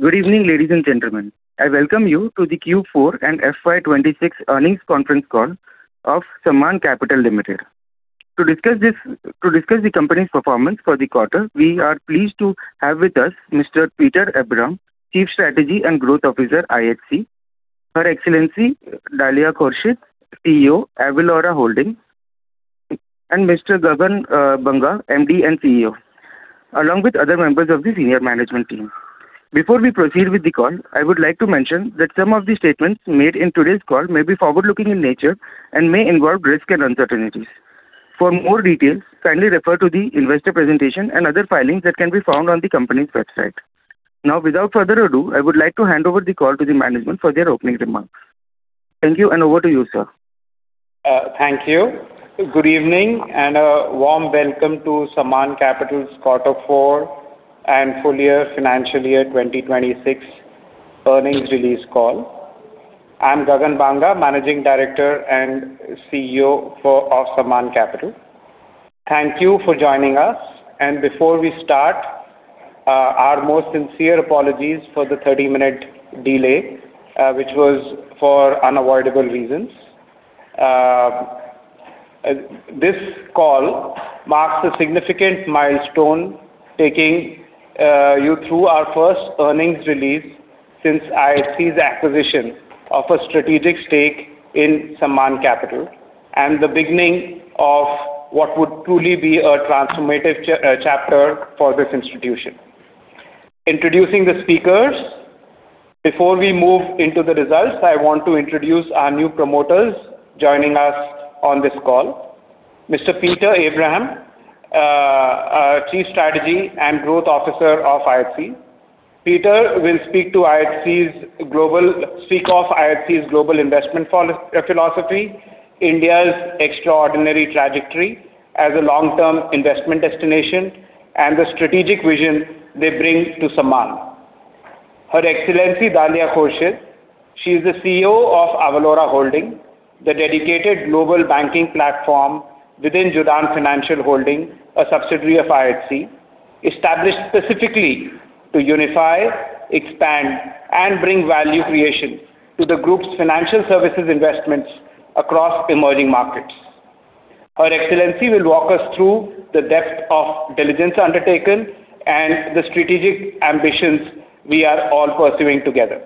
Good evening, ladies and gentlemen. I welcome you to the Q4 and FY 2026 earnings conference call of Sammaan Capital Limited. To discuss the company's performance for the quarter, we are pleased to have with us Mr. Peter Abraham, Chief Strategy and Growth Officer, IHC; Her Excellency Dalia Khorshid, CEO, Avalora Holding; and Mr. Gagan Banga, MD, and CEO, along with other members of the senior management team. Before we proceed with the call, I would like to mention that some of the statements made in today's call may be forward-looking in nature and may involve risks and uncertainties. For more details, kindly refer to the investor presentation and other filings that can be found on the company's website. Without further ado, I would like to hand over the call to the management for their opening remarks. Thank you, and over to you, sir. Thank you. Good evening, and a warm welcome to Sammaan Capital's Quarter Four and Full Year Financial Year 2026 earnings release call. I'm Gagan Banga, Managing Director and CEO of Sammaan Capital. Thank you for joining us. Before we start, our most sincere apologies for the 30-minute delay, which was for unavoidable reasons. This call marks a significant milestone, taking you through our first earnings release since IHC's acquisition of a strategic stake in Sammaan Capital and the beginning of what would truly be a transformative chapter for this institution. Introducing the speakers. Before we move into the results, I want to introduce our new promoters joining us on this call. Mr. Peter Abraham, our Chief Strategy and Growth Officer of IHC. Peter will speak of IHC's global investment philosophy, India's extraordinary trajectory as a long-term investment destination, and the strategic vision they bring to Sammaan. Her Excellency Dalia Khorshid, she's the CEO of Avalora Holding, the dedicated global banking platform within Judan Financial Holding, a subsidiary of IHC, established specifically to unify, expand, and bring value creation to the group's financial services investments across emerging markets. Her Excellency will walk us through the depth of diligence undertaken and the strategic ambitions we are all pursuing together.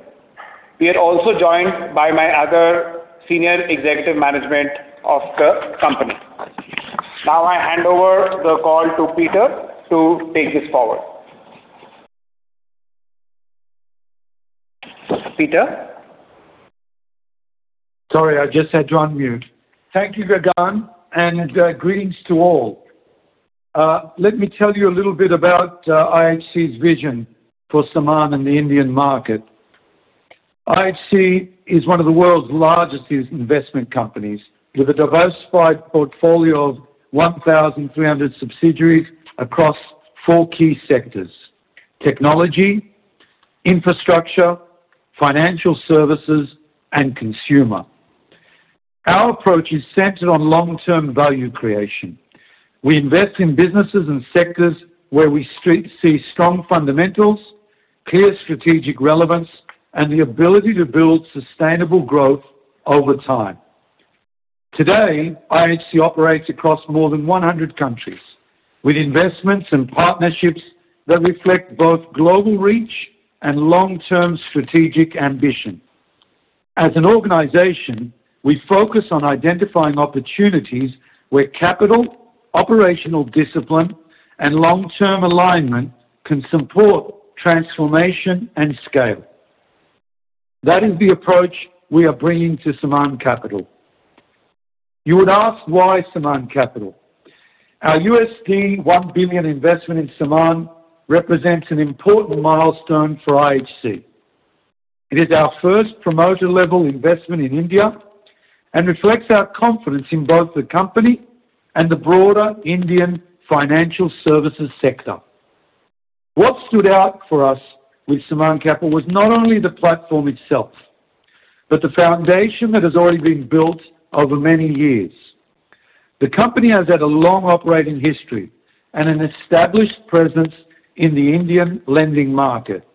We are also joined by my other senior executive management of the company. Now, I hand over the call to Peter to take this forward. Peter? Sorry, I just had to unmute. Thank you, Gagan, and greetings to all. Let me tell you a little bit about IHC's vision for Sammaan in the Indian market. IHC is one of the world's largest investment companies, with a diversified portfolio of 1,300 subsidiaries across four key sectors: technology, infrastructure, financial services, and consumer. Our approach is centered on long-term value creation. We invest in businesses and sectors where we see strong fundamentals, clear strategic relevance, and the ability to build sustainable growth over time. Today, IHC operates across more than 100 countries with investments and partnerships that reflect both global reach and long-term strategic ambition. As an organization, we focus on identifying opportunities where capital, operational discipline, and long-term alignment can support transformation and scale. That is the approach we are bringing to Sammaan Capital. You would ask why Sammaan Capital. Our $1 billion investment in Sammaan represents an important milestone for IHC. It is our first promoter-level investment in India and reflects our confidence in both the company and the broader Indian financial services sector. What stood out for us with Sammaan Capital was not only the platform itself, but the foundation that has already been built over many years. The company has had a long operating history and an established presence in the Indian lending market,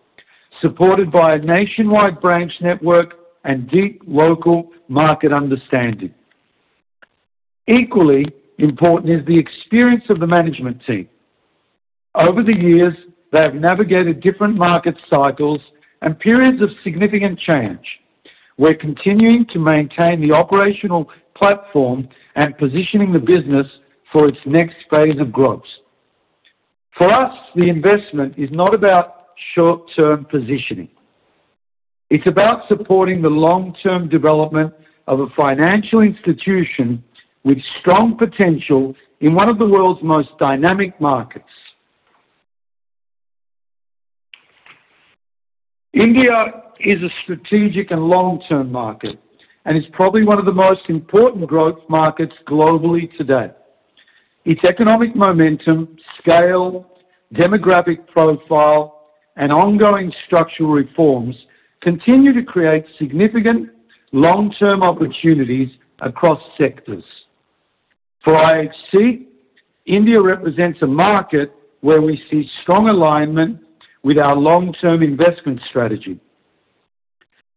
supported by a nationwide branch network and deep local market understanding. Equally important is the experience of the management team. Over the years, they have navigated different market cycles and periods of significant change. We're continuing to maintain the operational platform and positioning the business for its next phase of growth. For us, the investment is not about short-term positioning. It's about supporting the long-term development of a financial institution with strong potential in one of the world's most dynamic markets. India is a strategic and long-term market and is probably one of the most important growth markets globally today. Its economic momentum, scale, demographic profile, and ongoing structural reforms continue to create significant long-term opportunities across sectors. For IHC, India represents a market where we see strong alignment with our long-term investment strategy.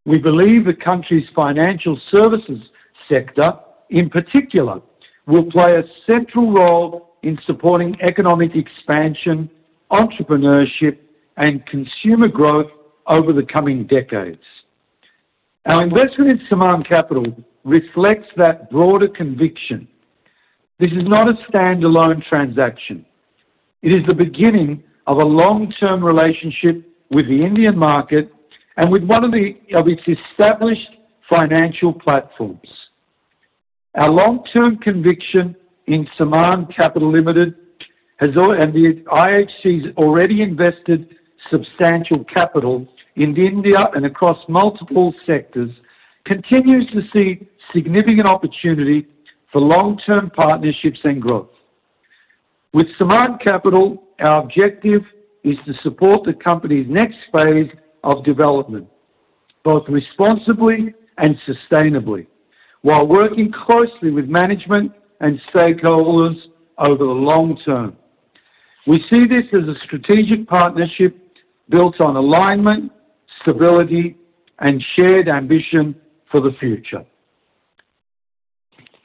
We believe the country's financial services sector, in particular, will play a central role in supporting economic expansion, entrepreneurship, and consumer growth over the coming decades. Our investment in Sammaan Capital reflects that broader conviction. This is not a standalone transaction. It is the beginning of a long-term relationship with the Indian market and with one of its established financial platforms. Our long-term conviction in Sammaan Capital Limited and the IHC's already invested substantial capital in India and across multiple sectors, continues to see significant opportunity for long-term partnerships and growth. With Sammaan Capital, our objective is to support the company's next phase of development, both responsibly and sustainably, while working closely with management and stakeholders over the long term. We see this as a strategic partnership built on alignment, stability, and shared ambition for the future.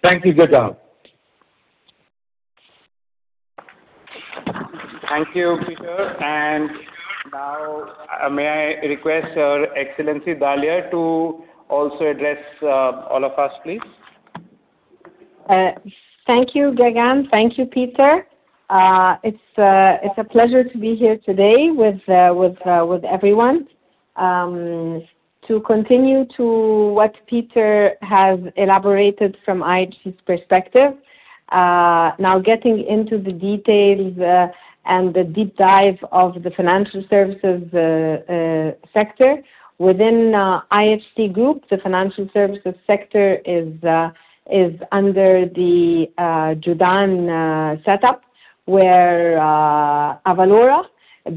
Thank you, Gagan. Thank you, Peter. Now, may I request Her Excellency Dalia to also address all of us, please? Thank you, Gagan. Thank you, Peter. It's a pleasure to be here today with everyone. To continue to what Peter has elaborated from IHC's perspective. Now getting into the details and the deep dive of the financial services sector. Within IHC group, the financial services sector is under the Judan setup, where Avalora,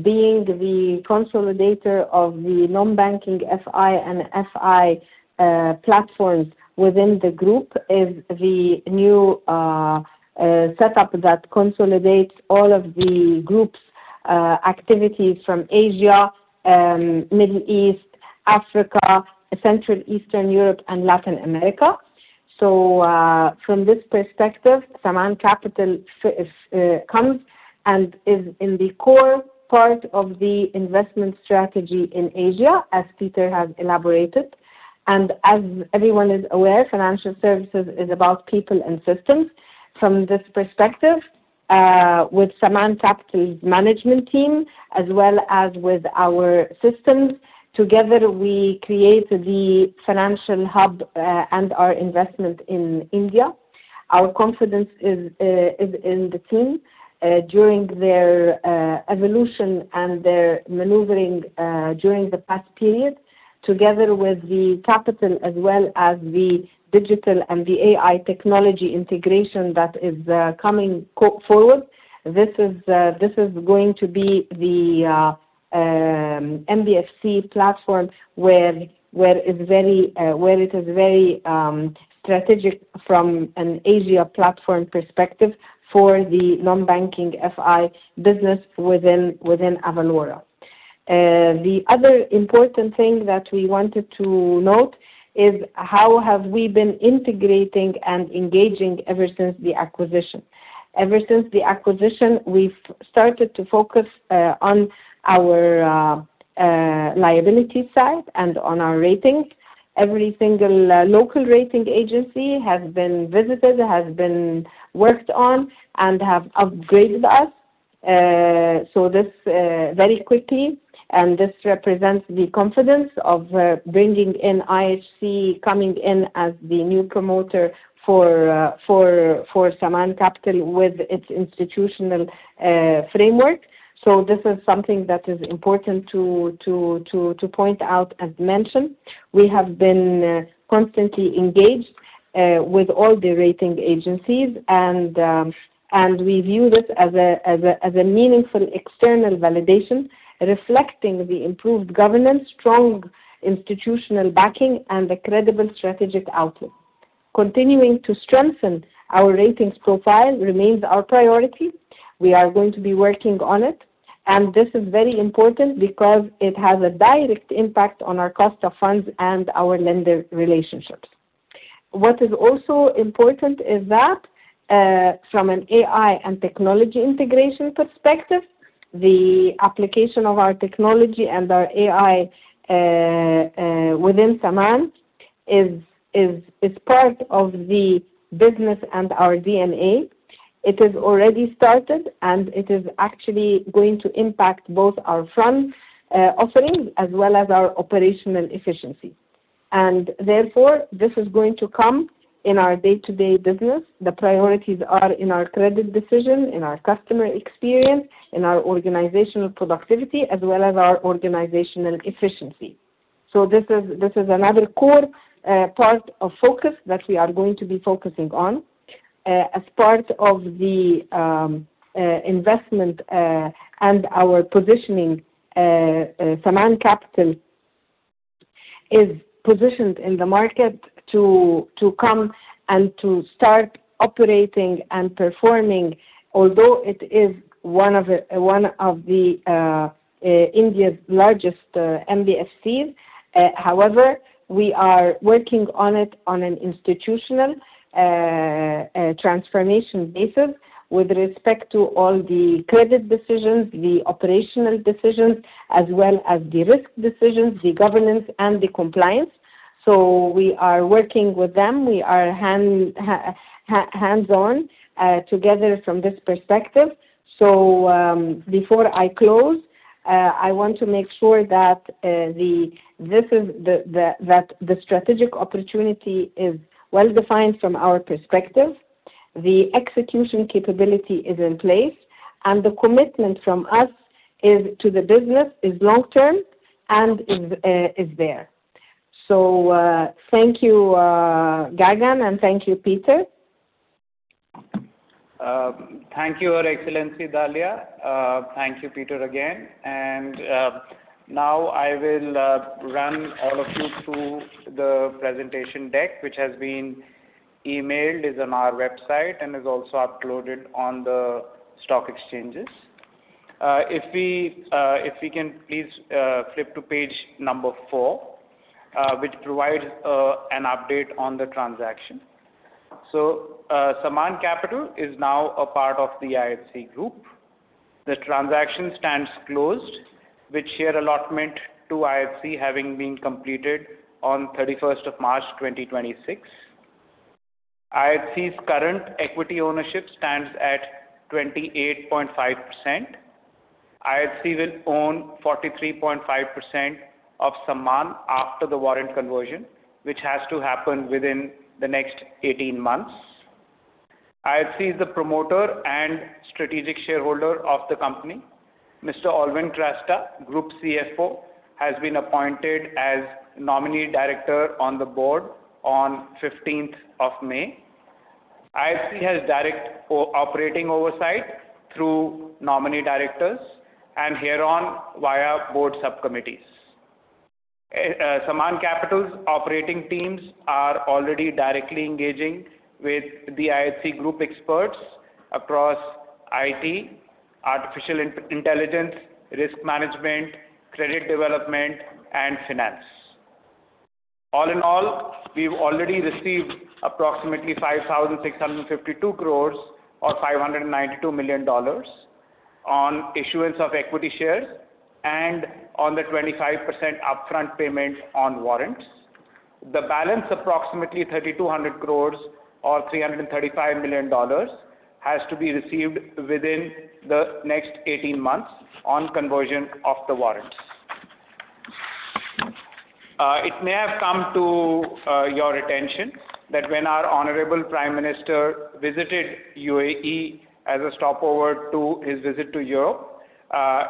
being the consolidator of the non-banking FI and FI platforms within the group, is the new setup that consolidates all of the group's activities from Asia, Middle East, Africa, Central Eastern Europe, and Latin America. From this perspective, Sammaan Capital comes and is in the core part of the investment strategy in Asia, as Peter has elaborated. As everyone is aware, financial services is about people and systems. From this perspective, with Sammaan Capital's management team as well as with our systems, together, we create the financial hub and our investment in India. Our confidence is in the team during their evolution and their maneuvering during the past period, together with the capital as well as the digital and the AI technology integration that is coming forward. This is going to be the NBFC platform where it is very strategic from an Asia platform perspective for the non-banking FI business within Avalora. The other important thing that we wanted to note is how have we been integrating and engaging ever since the acquisition. Ever since the acquisition, we've started to focus on our liability side and on our rating. Every single local rating agency has been visited, has been worked on, and have upgraded us very quickly. This represents the confidence of bringing in IHC, coming in as the new promoter for Sammaan Capital with its institutional framework. This is something that is important to point out. As mentioned, we have been constantly engaged with all the rating agencies, and we view this as a meaningful external validation reflecting the improved governance, strong institutional backing, and the credible strategic outlook. Continuing to strengthen our ratings profile remains our priority. We are going to be working on it, and this is very important because it has a direct impact on our cost of funds and our lender relationships. What is also important is that from an AI and technology integration perspective, the application of our technology and our AI within Sammaan is part of the business and our DNA. It has already started, and it is actually going to impact both our front offerings as well as our operational efficiency. Therefore, this is going to come in our day-to-day business. The priorities are in our credit decision, in our customer experience, in our organizational productivity, as well as our organizational efficiency. This is another core part of focus that we are going to be focusing on as part of the investment and our positioning Sammaan Capital is positioned in the market to come and to start operating and performing, although it is one of India's largest NBFCs. However, we are working on it on an institutional transformation basis with respect to all the credit decisions, the operational decisions, as well as the risk decisions, the governance, and the compliance. We are working with them. We are hands-on together from this perspective. Before I close, I want to make sure that the strategic opportunity is well-defined from our perspective, the execution capability is in place, and the commitment from us to the business is long-term and is there. Thank you Gagan, and thank you, Peter. Thank you, Your Excellency, Dalia. Thank you, Peter, again. Now I will run all of you through the presentation deck, which has been emailed, is on our website, and is also uploaded on the stock exchanges. If we can please flip to page 4, which provides an update on the transaction. Sammaan Capital is now a part of the IHC group. The transaction stands closed with share allotment to IHC having been completed on March 31, 2026. IHC's current equity ownership stands at 28.5%. IHC will own 43.5% of Sammaan after the warrant conversion, which has to happen within the next 18 months. IHC is the promoter and strategic shareholder of the company. Mr. Alwyn Crasta, Group CFO, has been appointed as nominee director on the board on May 15. IHC has direct operating oversight through nominee directors and herein via board subcommittees. Sammaan Capital's operating teams are already directly engaging with the IHC group experts across IT, artificial intelligence, risk management, credit development, and finance. All in all, we've already received approximately 5,652 crore or $592 million on issuance of equity shares and on the 25% upfront payment on warrants. The balance, approximately 3,200 crore or $335 million, has to be received within the next 18 months on conversion of the warrants. It may have come to your attention that when our honorable Prime Minister visited UAE as a stopover to his visit to Europe,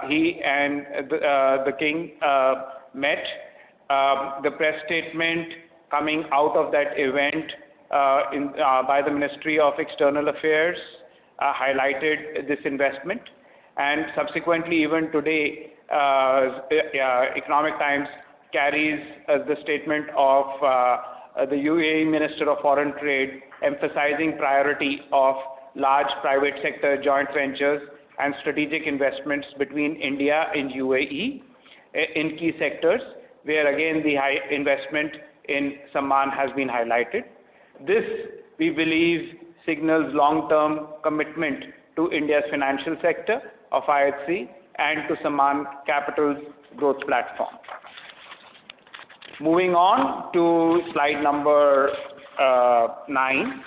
he and the King met. The press statement coming out of that event by the Ministry of External Affairs highlighted this investment, and subsequently, even today, "The Economic Times" carries the statement of the UAE Minister of Foreign Trade emphasizing priority of large private sector joint ventures and strategic investments between India and UAE in key sectors, where again, the high investment in Sammaan has been highlighted. This, we believe, signals long-term commitment to India's financial sector of IHC and to Sammaan Capital's growth platform. Moving on to slide number 9.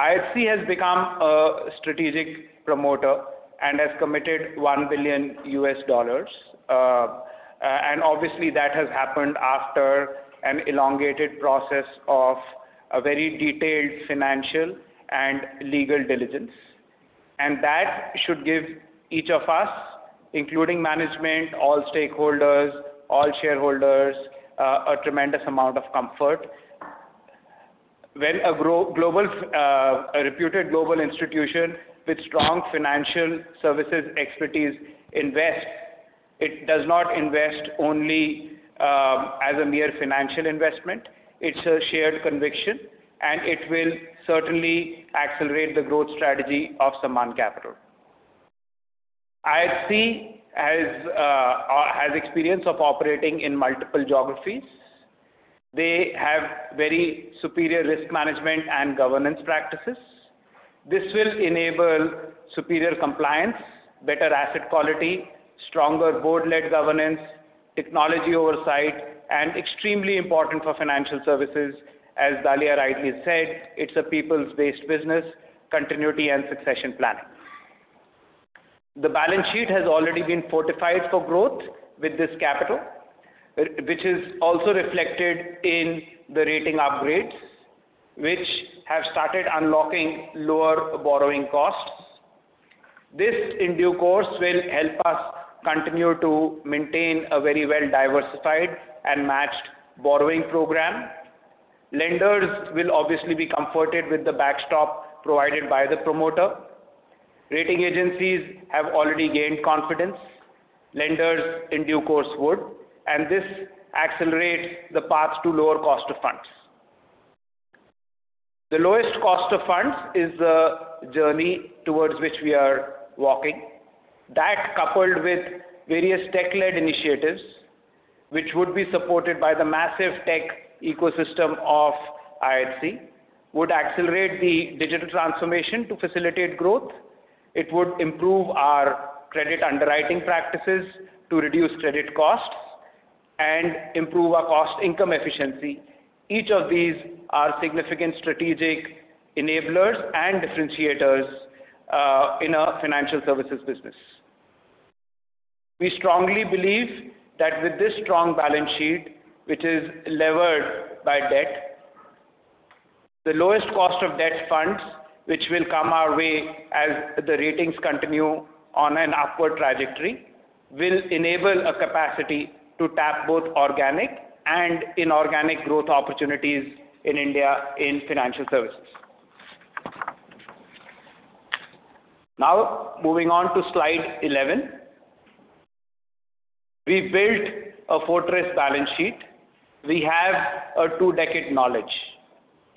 IHC has become a strategic promoter and has committed $1 billion, and obviously that has happened after an elongated process of a very detailed financial and legal diligence. That should give each of us, including management, all stakeholders, all shareholders, a tremendous amount of comfort. When a reputed global institution with strong financial services expertise invests, it does not invest only as a mere financial investment. It's a shared conviction, and it will certainly accelerate the growth strategy of Sammaan Capital. IHC has experience of operating in multiple geographies. They have very superior risk management and governance practices. This will enable superior compliance, better asset quality, stronger board-led governance, technology oversight, and extremely important for financial services, as Dalia rightly said, it's a peoples-based business, continuity and succession planning. The balance sheet has already been fortified for growth with this capital, which is also reflected in the rating upgrades, which have started unlocking lower borrowing costs. This, in due course, will help us continue to maintain a very well diversified and matched borrowing program. Lenders will obviously be comforted with the backstop provided by the promoter. Rating agencies have already gained confidence. Lenders in due course would, and this accelerates the path to lower cost of funds. The lowest cost of funds is a journey towards which we are walking. That, coupled with various tech-led initiatives, which would be supported by the massive tech ecosystem of IHC, would accelerate the digital transformation to facilitate growth. It would improve our credit underwriting practices to reduce credit costs and improve our cost-income efficiency. Each of these are significant strategic enablers and differentiators in our financial services business. We strongly believe that with this strong balance sheet, which is levered by debt, the lowest cost of debt funds, which will come our way as the ratings continue on an upward trajectory, will enable a capacity to tap both organic and inorganic growth opportunities in India in financial services. Now, moving on to slide 11. We built a fortress balance sheet. We have a two-decade knowledge,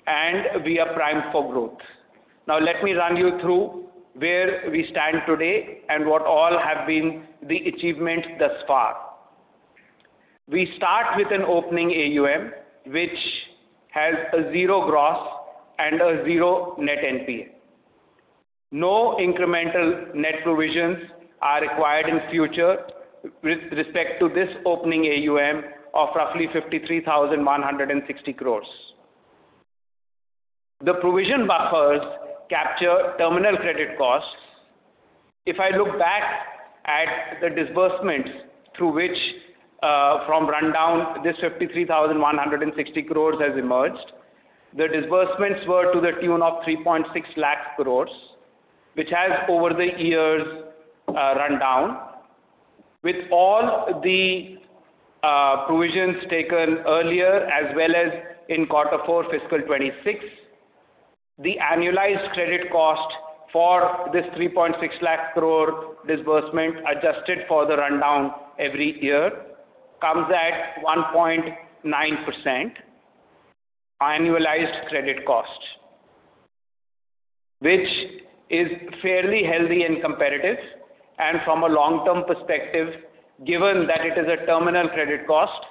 and we are primed for growth. Let me run you through where we stand today and what all have been the achievements thus far. We start with an opening AUM, which has a zero gross and a zero net NPA. No incremental net provisions are required in future with respect to this opening AUM of roughly 53,160 crore. The provision buffers capture terminal credit costs. If I look back at the disbursements through which from rundown this 53,160 crore has emerged, the disbursements were to the tune of 3.6 lakh crore, which has over the years run down. With all the provisions taken earlier as well as in quarter four fiscal 2026, the annualized credit cost for this 3.6 lakh crore disbursement, adjusted for the rundown every year, comes at 1.9% annualized credit cost, which is fairly healthy and competitive, and from a long-term perspective, given that it is a terminal credit cost,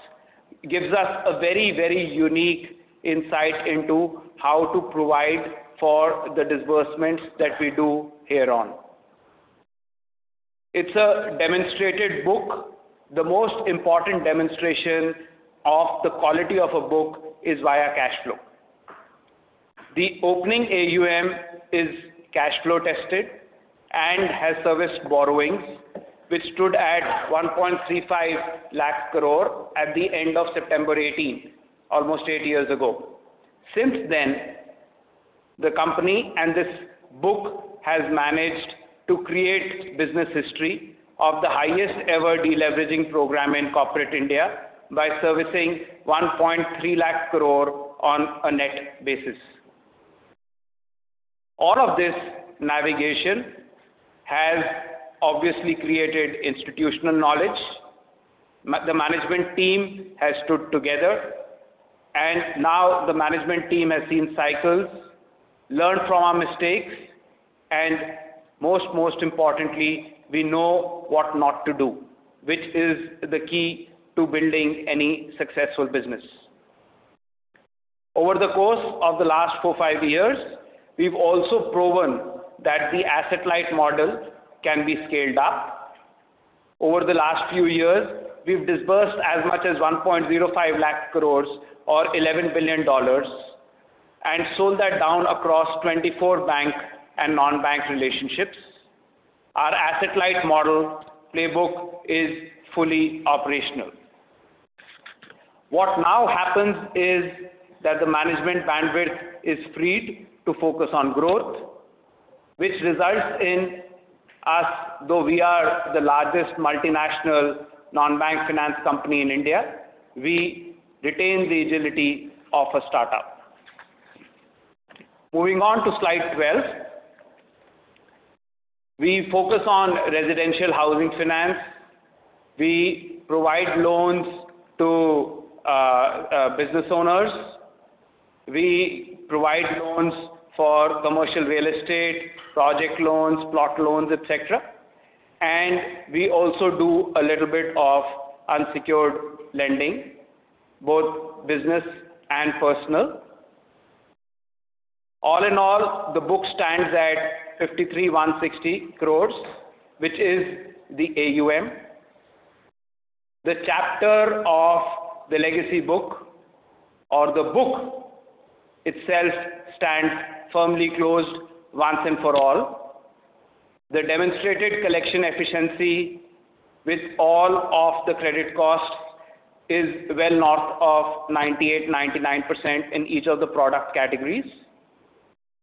gives us a very unique insight into how to provide for the disbursements that we do hereon. It's a demonstrated book. The most important demonstration of the quality of a book is via cash flow. The opening AUM is cash flow tested and has serviced borrowings, which stood at 1.35 lakh crore at the end of September 18th, almost eight years ago. Since then, the company and this book has managed to create business history of the highest ever deleveraging program in corporate India by servicing 1.3 lakh crore on a net basis. All of this navigation has obviously created institutional knowledge. The management team has stood together, and now the management team has seen cycles, learned from our mistakes, and most importantly, we know what not to do, which is the key to building any successful business. Over the course of the last four, five years, we've also proven that the asset-light model can be scaled up. Over the last few years, we've disbursed as much as 1.05 lakh crore or $11 billion and sold that down across 24 bank and non-bank relationships. Our asset-light model playbook is fully operational. What now happens is that the management bandwidth is freed to focus on growth, which results in us, though we are the largest multinational non-bank finance company in India, we retain the agility of a startup. Moving on to slide 12. We focus on residential housing finance. We provide loans to business owners. We provide loans for commercial real estate, project loans, plot loans, et cetera, and we also do a little bit of unsecured lending, both business and personal. All in all, the book stands at 53,160 crore, which is the AUM. The chapter of the legacy book or the book itself stands firmly closed once and for all. The demonstrated collection efficiency with all of the credit costs is well north of 98%, 99% in each of the product categories.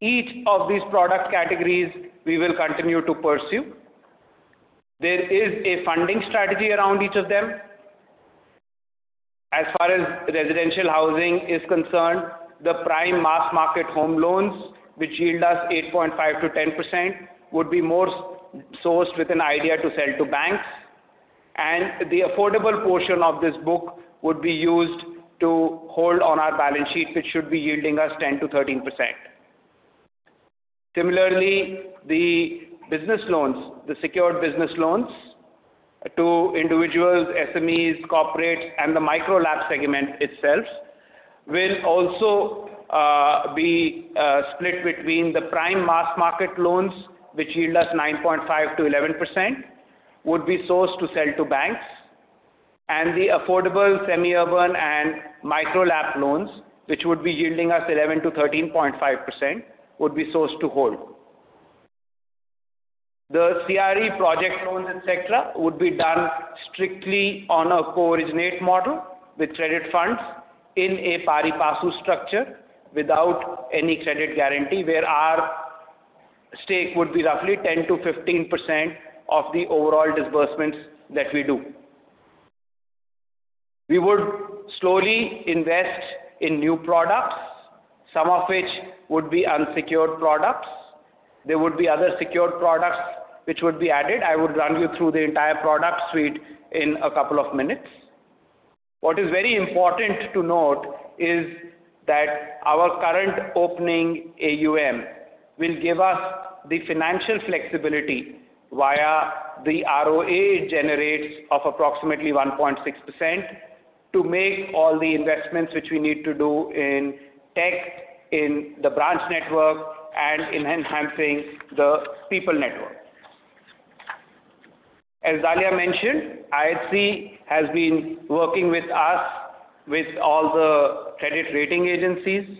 Each of these product categories we will continue to pursue. There is a funding strategy around each of them. As far as residential housing is concerned, the prime mass market home loans, which yield us 8.5%-10%, would be more sourced with an idea to sell to banks. The affordable portion of this book would be used to hold on our balance sheet, which should be yielding us 10%-13%. Similarly, the business loans, the secured business loans to individuals, SMEs, corporates, and the micro LAP segment itself, will also be split between the prime mass market loans, which yield us 9.5%-11%, would be sourced to sell to banks, and the affordable semi-urban and micro LAP loans, which would be yielding us 11%-13.5%, would be sourced to hold. The CRE project loans, et cetera, would be done strictly on a co-originate model with credit funds in a pari-passu structure without any credit guarantee, where our stake would be roughly 10%-15% of the overall disbursements that we do. We would slowly invest in new products, some of which would be unsecured products. There would be other secured products which would be added. I would run you through the entire product suite in a couple of minutes. What is very important to note is that our current opening AUM will give us the financial flexibility via the ROA it generates of approximately 1.6%, to make all the investments which we need to do in tech, in the branch network, and in enhancing the people network. As Dalia mentioned, IHC has been working with us with all the credit rating agencies.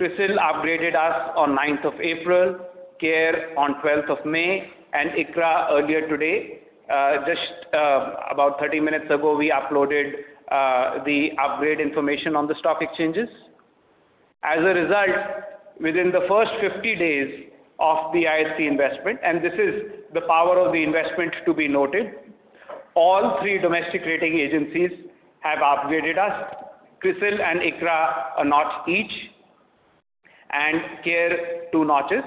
CRISIL upgraded us on 9th of April, CARE on 12th of May, and ICRA earlier today. Just about 30 minutes ago, we uploaded the upgrade information on the stock exchanges. As a result, within the first 50 days of the IHC investment, and this is the power of the investment to be noted, all three domestic rating agencies have upgraded us. CRISIL and ICRA, a notch each, and CARE, two notches.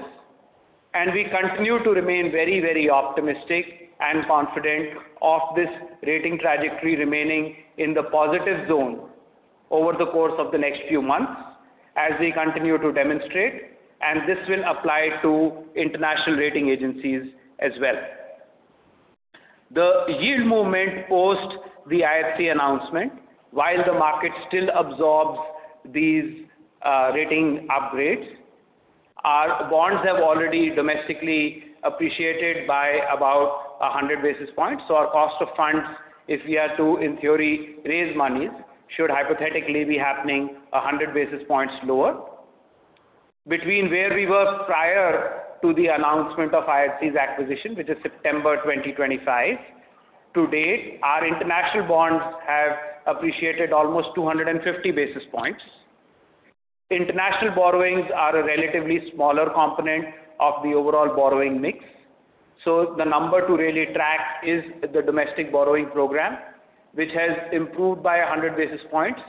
We continue to remain very optimistic and confident of this rating trajectory remaining in the positive zone over the course of the next few months as we continue to demonstrate, and this will apply to international rating agencies as well. The yield movement post the IHC announcement, while the market still absorbs these rating upgrades, our bonds have already domestically appreciated by about 100 basis points. Our cost of funds, if we are to, in theory, raise monies, should hypothetically be happening 100 basis points lower. Between where we were prior to the announcement of IHC's acquisition, which is September 2025, to date, our international bonds have appreciated almost 250 basis points. International borrowings are a relatively smaller component of the overall borrowing mix. The number to really track is the domestic borrowing program, which has improved by 100 basis points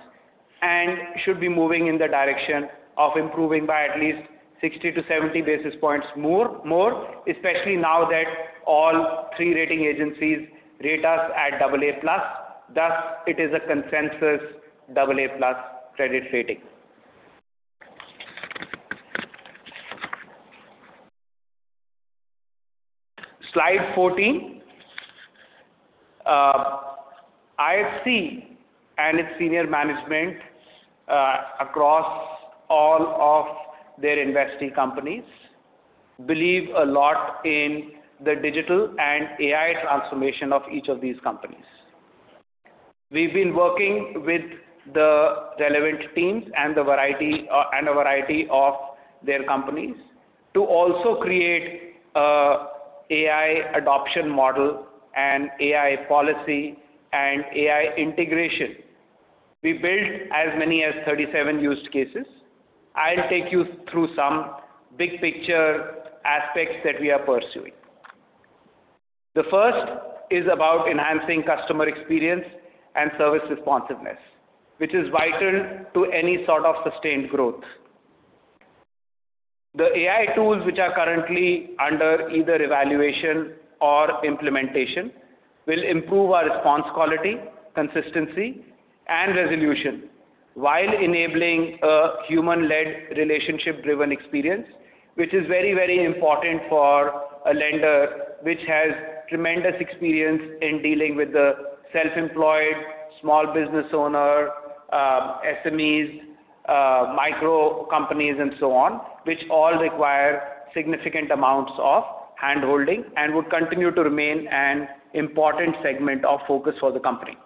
and should be moving in the direction of improving by at least 60 to 70 basis points more, especially now that all three rating agencies rate us at AA+. Thus, it is a consensus AA+ credit rating. Slide 14. IHC and its senior management across all of their investee companies believe a lot in the digital and AI transformation of each of these companies. We've been working with the relevant teams and a variety of their companies to also create a AI adoption model and AI policy and AI integration. We built as many as 37 use cases. I'll take you through some big picture aspects that we are pursuing. The first is about enhancing customer experience and service responsiveness, which is vital to any sort of sustained growth. The AI tools which are currently under either evaluation or implementation will improve our response quality, consistency, and resolution while enabling a human-led relationship-driven experience, which is very important for a lender which has tremendous experience in dealing with the self-employed, small business owner, SMEs, micro companies, and so on, which all require significant amounts of handholding and would continue to remain an important segment of focus for the company.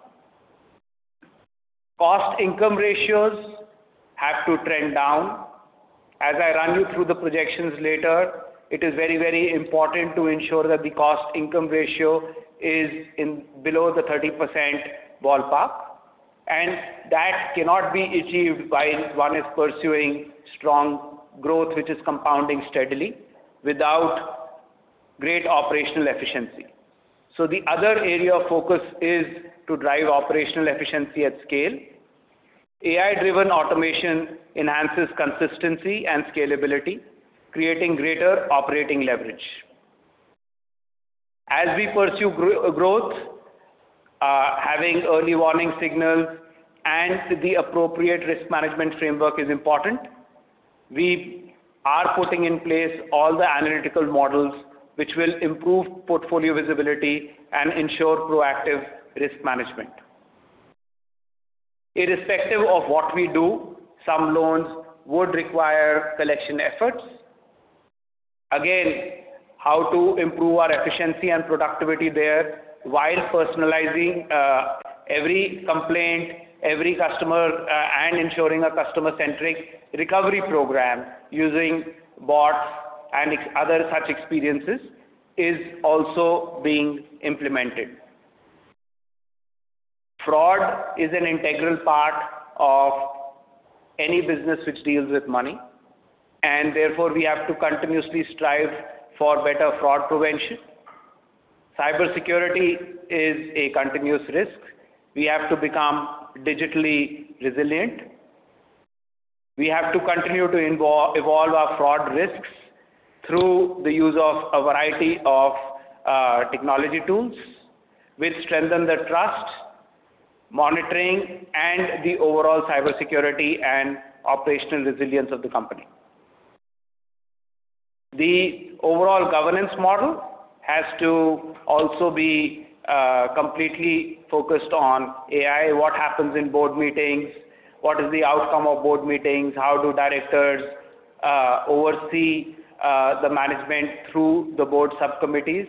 Cost-income ratios have to trend down. As I run you through the projections later, it is very important to ensure that the cost-income ratio is below the 30% ballpark, and that cannot be achieved while one is pursuing strong growth which is compounding steadily without great operational efficiency. The other area of focus is to drive operational efficiency at scale. AI-driven automation enhances consistency and scalability, creating greater operating leverage. As we pursue growth, having early warning signals and the appropriate risk management framework is important. We are putting in place all the analytical models which will improve portfolio visibility and ensure proactive risk management. Irrespective of what we do, some loans would require collection efforts. Again, how to improve our efficiency and productivity there while personalizing every complaint, every customer, and ensuring a customer-centric recovery program using bots and other such experiences is also being implemented. Fraud is an integral part of any business which deals with money, and therefore we have to continuously strive for better fraud prevention. Cybersecurity is a continuous risk. We have to become digitally resilient. We have to continue to evolve our fraud risks through the use of a variety of technology tools which strengthen the trust, monitoring, and the overall cybersecurity and operational resilience of the company. The overall governance model has to also be completely focused on AI. What happens in board meetings, what is the outcome of board meetings, how do directors oversee the management through the board subcommittees?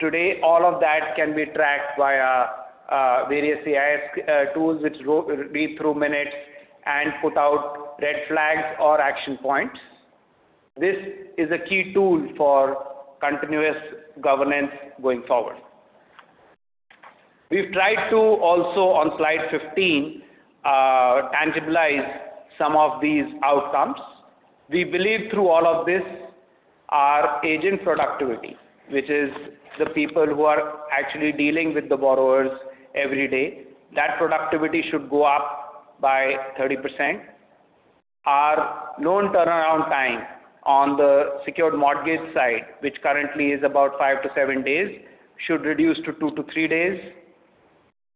Today, all of that can be tracked via various AI tools, which read through minutes and put out red flags or action points. This is a key tool for continuous governance going forward. We've tried to also, on slide 15, tangibilize some of these outcomes. We believe through all of this, our agent productivity, which is the people who are actually dealing with the borrowers every day, that productivity should go up by 30%. Our loan turnaround time on the secured mortgage side, which currently is about five to seven days, should reduce to two to three days.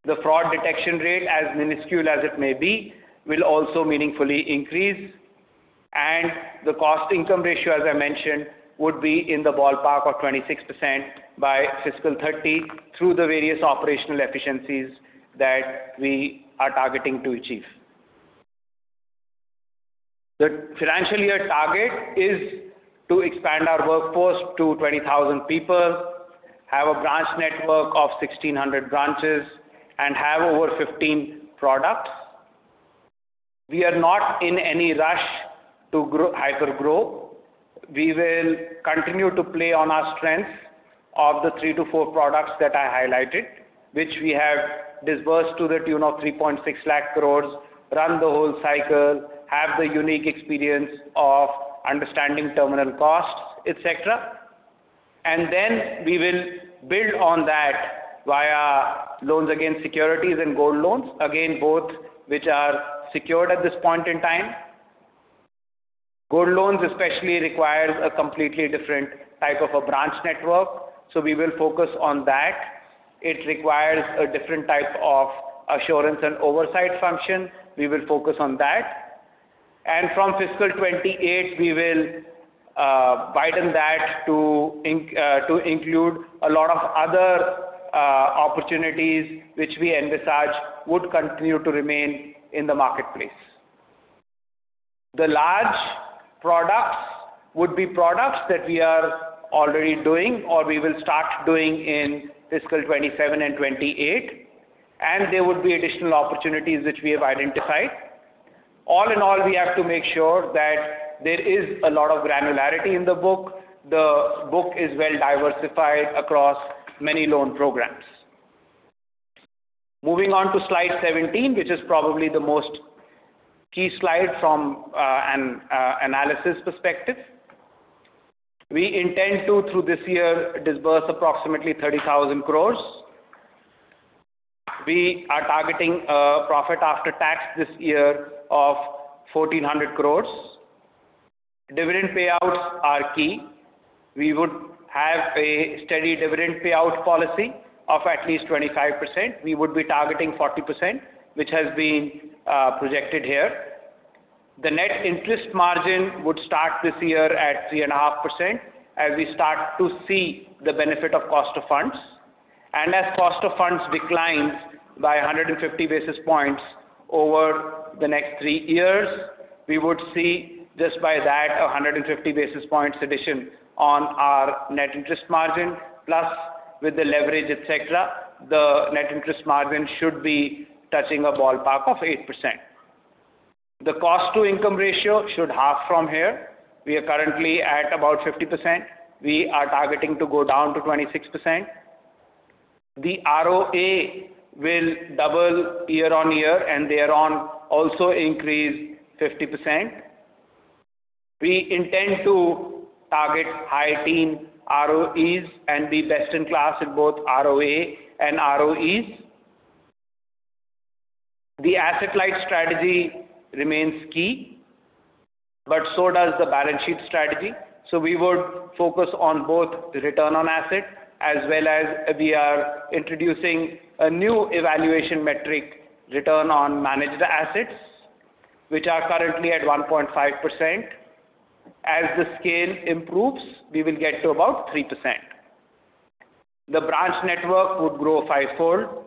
The fraud detection rate, as minuscule as it may be, will also meaningfully increase, and the cost-income ratio, as I mentioned, would be in the ballpark of 26% by fiscal 2030 through the various operational efficiencies that we are targeting to achieve. The financial year target is to expand our workforce to 20,000 people, have a branch network of 1,600 branches, and have over 15 products. We are not in any rush to hyper-grow. We will continue to play on our strengths of the three to four products that I highlighted, which we have disbursed to the tune of 3.6 lakh crores, run the whole cycle, have the unique experience of understanding terminal costs, et cetera. We will build on that via loans against securities and gold loans. Both which are secured at this point in time. Gold loans especially requires a completely different type of a branch network. We will focus on that. It requires a different type of assurance and oversight function. We will focus on that. From fiscal 2028, we will widen that to include a lot of other opportunities, which we envisage would continue to remain in the marketplace. The large products would be products that we are already doing, or we will start doing in fiscal 2027 and 2028. There would be additional opportunities which we have identified. All in all, we have to make sure that there is a lot of granularity in the book. The book is well diversified across many loan programs. Moving on to slide 17, which is probably the most key slide from an analysis perspective. We intend to, through this year, disburse approximately 30,000 crore. We are targeting a profit after tax this year of 1,400 crore. Dividend payouts are key. We would have a steady dividend payout policy of at least 25%. We would be targeting 40%, which has been projected here. The net interest margin would start this year at 3.5% as we start to see the benefit of cost of funds. As cost of funds declines by 150 basis points over the next three years, we would see just by that, a 150 basis points addition on our net interest margin, plus with the leverage, et cetera, the net interest margin should be touching a ballpark of 8%. The cost-to-income ratio should halve from here. We are currently at about 50%. We are targeting to go down to 26%. The ROA will double year-on-year and thereon also increase 50%. We intend to target high teen ROEs and be best in class in both ROA and ROEs. The asset-light strategy remains key, but so does the balance sheet strategy. We would focus on both return on assets as well as we are introducing a new evaluation metric, return on managed assets, which are currently at 1.5%. As the scale improves, we will get to about 3%. The branch network would grow fivefold.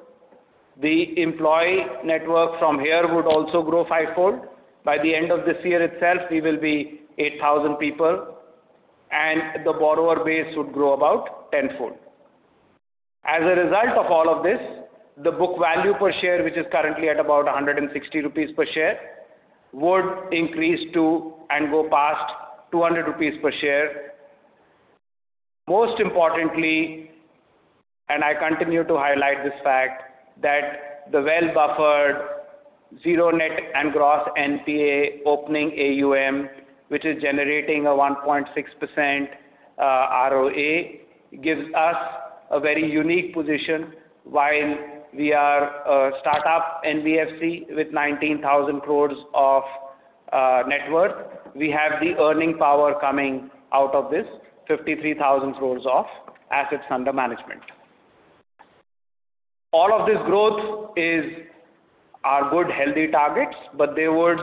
The employee network from here would also grow fivefold. By the end of this year itself, we will be 8,000 people, and the borrower base would grow about tenfold. As a result of all of this, the book value per share, which is currently at about 160 rupees per share, would increase to and go past 200 rupees per share. Most importantly, I continue to highlight this fact, that the well-buffered zero net and gross NPA opening AUM, which is generating a 1.6% ROA, gives us a very unique position while we are a start-up NBFC with 19,000 crore of net worth. We have the earning power coming out of this 53,000 crore of assets under management. All of this growth are good, healthy targets, they would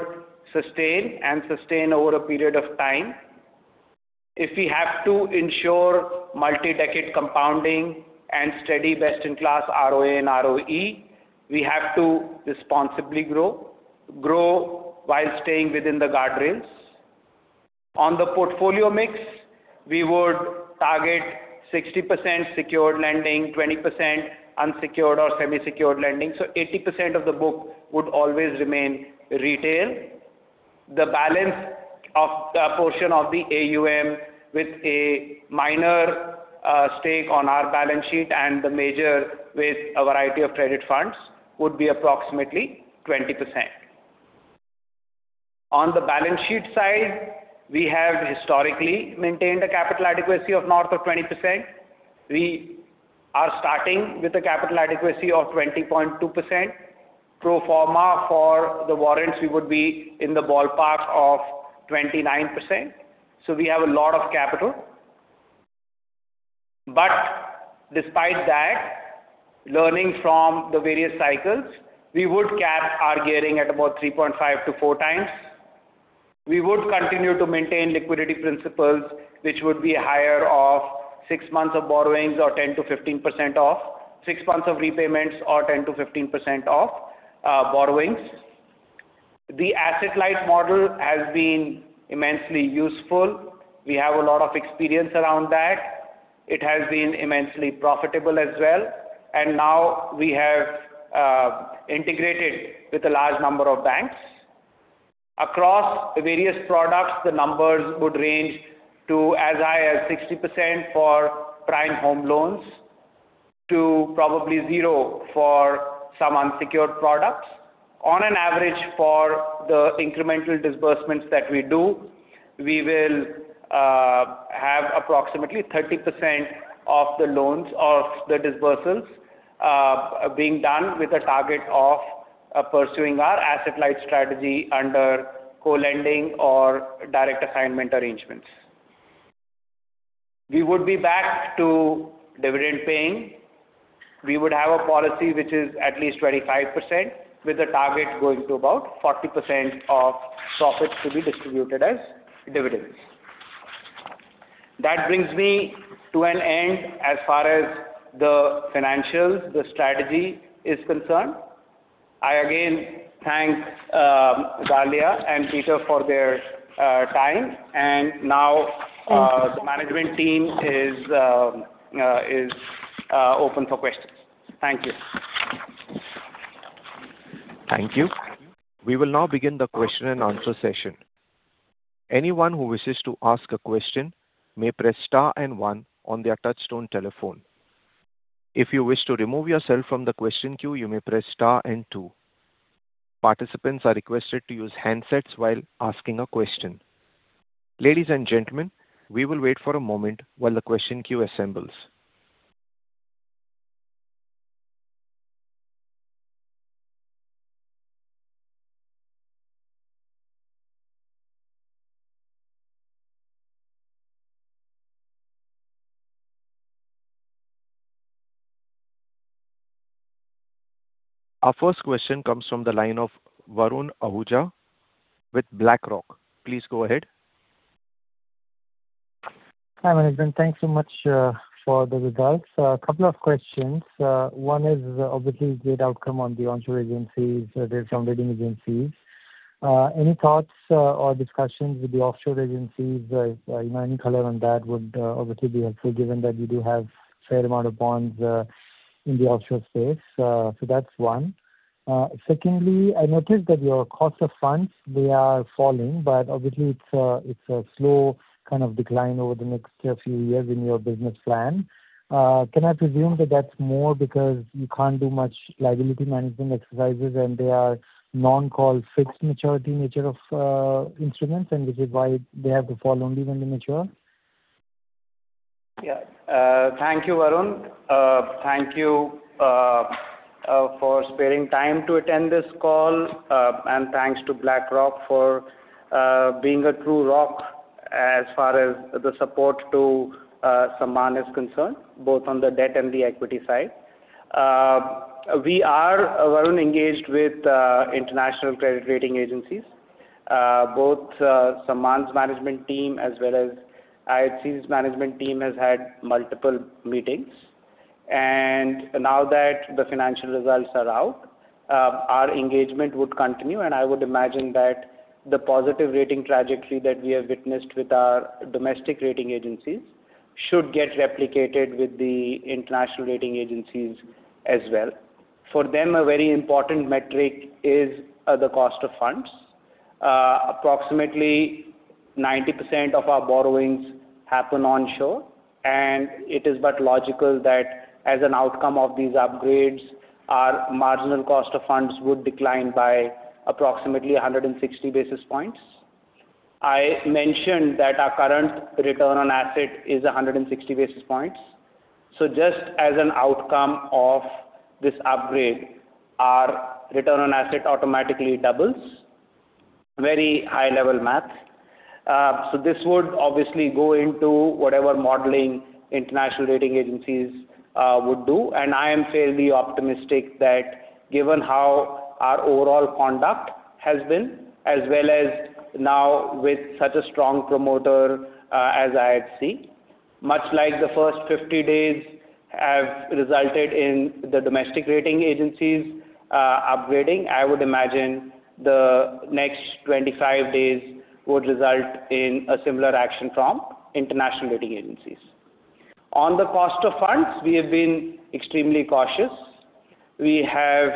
sustain over a period of time. If we have to ensure multi-decade compounding and steady best-in-class ROA and ROE, we have to responsibly grow. Grow while staying within the guardrails. On the portfolio mix, we would target 60% secured lending, 20% unsecured or semi-secured lending. 80% of the book would always remain retail. The balance portion of the AUM with a minor stake on our balance sheet and the major with a variety of credit funds would be approximately 20%. On the balance sheet side, we have historically maintained a capital adequacy of north of 20%. We are starting with a capital adequacy of 20.2%. Pro forma for the warrants, we would be in the ballpark of 29%. We have a lot of capital. Despite that, learning from the various cycles, we would cap our gearing at about 3.5-4 times. We would continue to maintain liquidity principles, which would be higher of six months of borrowings or 10%-15% of six months of repayments, or 10%-15% of borrowings. The asset-light model has been immensely useful. We have a lot of experience around that. It has been immensely profitable as well. Now we have integrated with a large number of banks. Across the various products, the numbers would range to as high as 60% for prime home loans to probably zero for some unsecured products. On an average for the incremental disbursements that we do, we will have approximately 30% of the loans of the disbursements being done with a target of pursuing our asset-light strategy under co-lending or direct assignment arrangements. We would be back to dividend paying. We would have a policy which is at least 25%, with the target going to about 40% of profits to be distributed as dividends. That brings me to an end as far as the financials, the strategy is concerned. I again thank Dalia and Peter for their time. Now the management team is open for questions. Thank you. Thank you. We will now begin the question and answer session. Our first question comes from the line of Varun Ahuja with BlackRock. Please go ahead. Hi, management. Thanks so much for the results. A couple of questions. One is obviously great outcome on the onshore agencies versus onboarding agencies. Any thoughts or discussions with the offshore agencies? Any color on that would obviously be helpful given that you do have fair amount of bonds in the offshore space. That's one. Secondly, I noticed that your cost of funds, they are falling, but obviously it's a slow kind of decline over the next few years in your business plan. Can I presume that that's more because you can't do much liability management exercises and they are non-call fixed maturity nature of instruments, and which is why they have to fall only when they mature? Yeah. Thank you, Varun. Thank you for sparing time to attend this call, and thanks to BlackRock for being a true rock as far as the support to Sammaan is concerned, both on the debt and the equity side. We are, Varun, engaged with international credit rating agencies. Both Sammaan's management team as well as IHC's management team has had multiple meetings. Now that the financial results are out, our engagement would continue, and I would imagine that the positive rating trajectory that we have witnessed with our domestic rating agencies should get replicated with the international rating agencies as well. For them, a very important metric is the cost of funds. Approximately 90% of our borrowings happen on shore, and it is but logical that as an outcome of these upgrades, our marginal cost of funds would decline by approximately 160 basis points. I mentioned that our current return on asset is 160 basis points. Just as an outcome of this upgrade, our return on asset automatically doubles. Very high level math. This would obviously go into whatever modeling international rating agencies would do, and I am fairly optimistic that given how our overall conduct has been, as well as now with such a strong promoter as IHC, much like the first 50 days have resulted in the domestic rating agencies upgrading, I would imagine the next 25 days would result in a similar action from international rating agencies. On the cost of funds, we have been extremely cautious. We have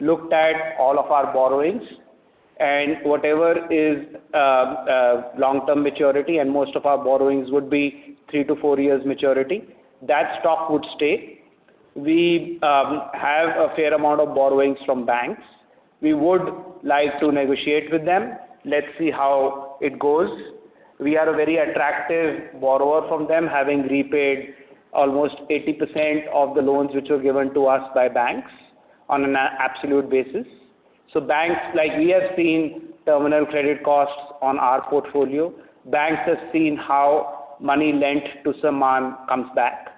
looked at all of our borrowings and whatever is long-term maturity, and most of our borrowings would be three to four years maturity, that stock would stay. We have a fair amount of borrowings from banks. We would like to negotiate with them. Let's see how it goes. We are a very attractive borrower from them, having repaid almost 80% of the loans which were given to us by banks on an absolute basis. Banks, like we have seen terminal credit costs on our portfolio. Banks have seen how money lent to Sammaan comes back,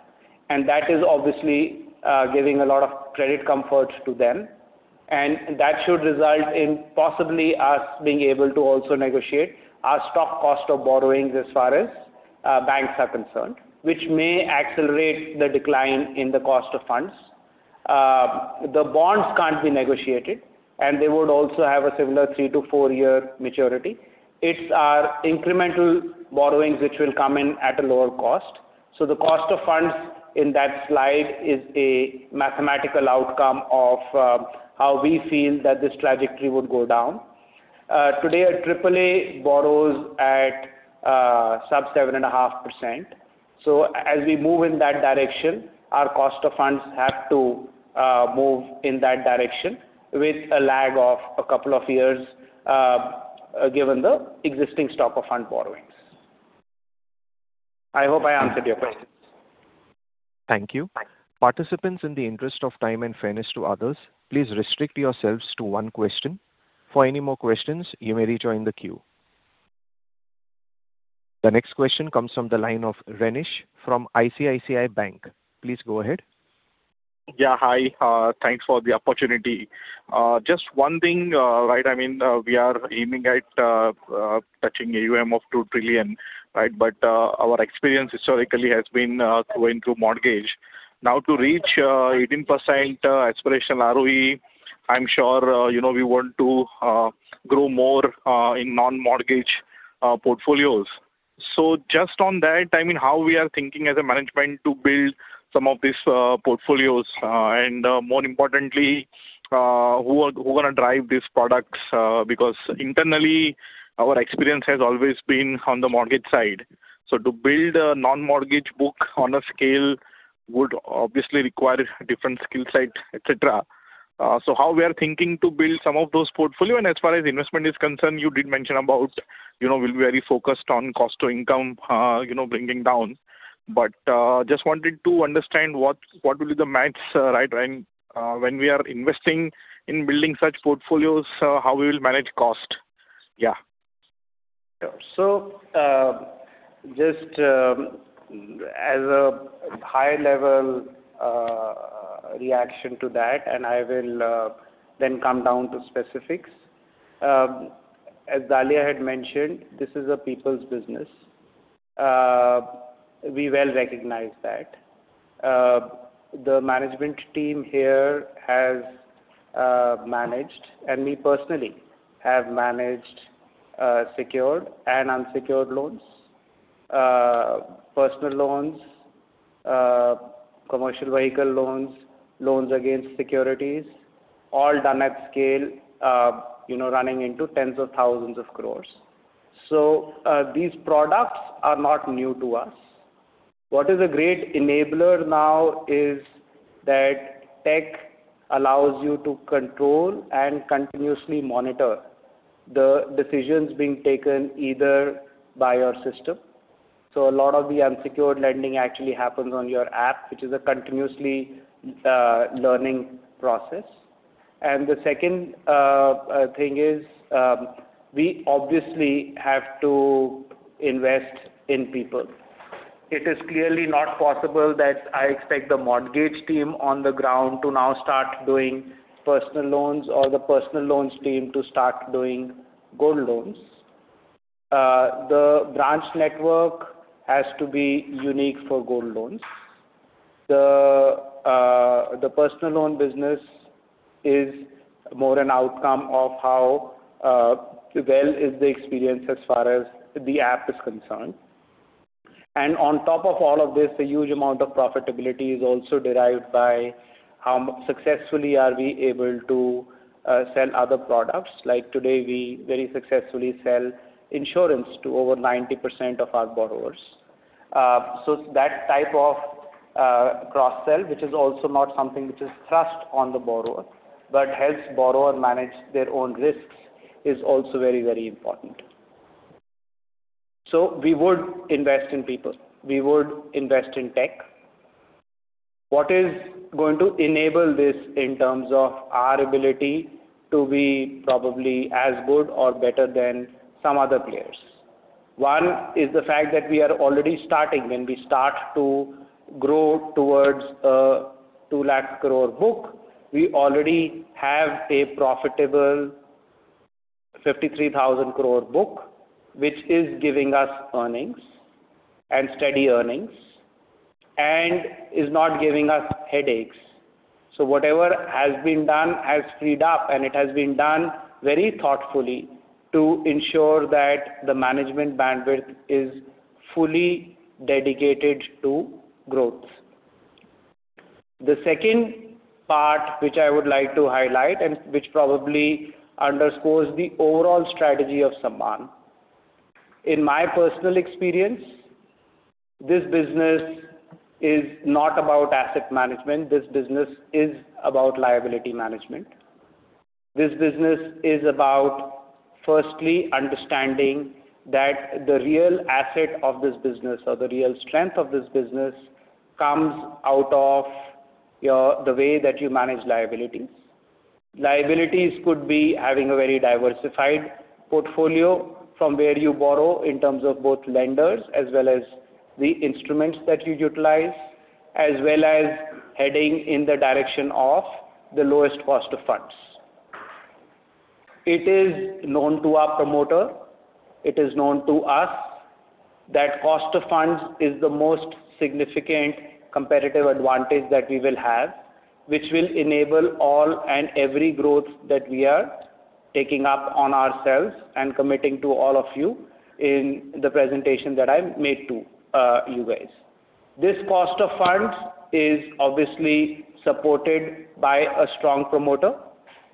and that is obviously giving a lot of credit comfort to them, and that should result in possibly us being able to also negotiate our stock cost of borrowings as far as banks are concerned, which may accelerate the decline in the cost of funds. The bonds can't be negotiated, and they would also have a similar three to four-year maturity. It's our incremental borrowings which will come in at a lower cost. The cost of funds in that slide is a mathematical outcome of how we feel that this trajectory would go down. Today, a AAA borrows at sub 7.5%. As we move in that direction, our cost of funds have to move in that direction with a lag of a couple of years, given the existing stock of fund borrowings. I hope I answered your questions. Thank you. Participants, in the interest of time and fairness to others, please restrict yourselves to one question. For any more questions, you may rejoin the queue. The next question comes from the line of Renish from ICICI Bank. Please go ahead. Yeah. Hi. Thanks for the opportunity. Just one thing. We are aiming at touching AUM of 2 trillion. Our experience historically has been going through mortgage. To reach 18% aspirational ROE, I'm sure we want to grow more in non-mortgage portfolios. Just on that, how we are thinking as a management to build some of these portfolios, and more importantly, who are going to drive these products? Internally, our experience has always been on the mortgage side. To build a non-mortgage book on a scale would obviously require a different skill set, et cetera. How we are thinking to build some of those portfolio? As far as investment is concerned, you did mention about we'll be very focused on cost to income bringing down. Just wanted to understand what will be the maths when we are investing in building such portfolios, how we will manage cost? Sure. Just as a high level reaction to that, I will then come down to specifics. As Dalia had mentioned, this is a people's business. We well recognize that. The management team here has managed, and me personally have managed secured and unsecured loans, personal loans, commercial vehicle loans, loans against securities, all done at scale, running into tens of thousands of crores. These products are not new to us. What is a great enabler now is that tech allows you to control and continuously monitor the decisions being taken, either by your system. A lot of the unsecured lending actually happens on your app, which is a continuously learning process. The second thing is, we obviously have to invest in people. It is clearly not possible that I expect the mortgage team on the ground to now start doing personal loans or the personal loans team to start doing gold loans. The branch network has to be unique for gold loans. The personal loan business is more an outcome of how well is the experience as far as the app is concerned. On top of all of this, a huge amount of profitability is also derived by how successfully are we able to sell other products. Like today, we very successfully sell insurance to over 90% of our borrowers. That type of cross-sell, which is also not something which is thrust on the borrower but helps borrower manage their own risks, is also very important. We would invest in people, we would invest in tech. What is going to enable this in terms of our ability to be probably as good or better than some other players? One is the fact that we are already starting. When we start to grow towards an 2 lakh crore book, we already have a profitable 53,000 crore book, which is giving us earnings and steady earnings and is not giving us headaches. Whatever has been done has freed up, and it has been done very thoughtfully to ensure that the management bandwidth is fully dedicated to growth. The second part, which I would like to highlight and which probably underscores the overall strategy of Sammaan. In my personal experience, this business is not about asset management. This business is about liability management. This business is about firstly understanding that the real asset of this business or the real strength of this business comes out of the way that you manage liabilities. Liabilities could be having a very diversified portfolio from where you borrow in terms of both lenders as well as the instruments that you utilize, as well as heading in the direction of the lowest cost of funds. It is known to our promoter, it is known to us that cost of funds is the most significant competitive advantage that we will have, which will enable all and every growth that we are taking up on ourselves and committing to all of you in the presentation that I made to you guys. This cost of funds is obviously supported by a strong promoter,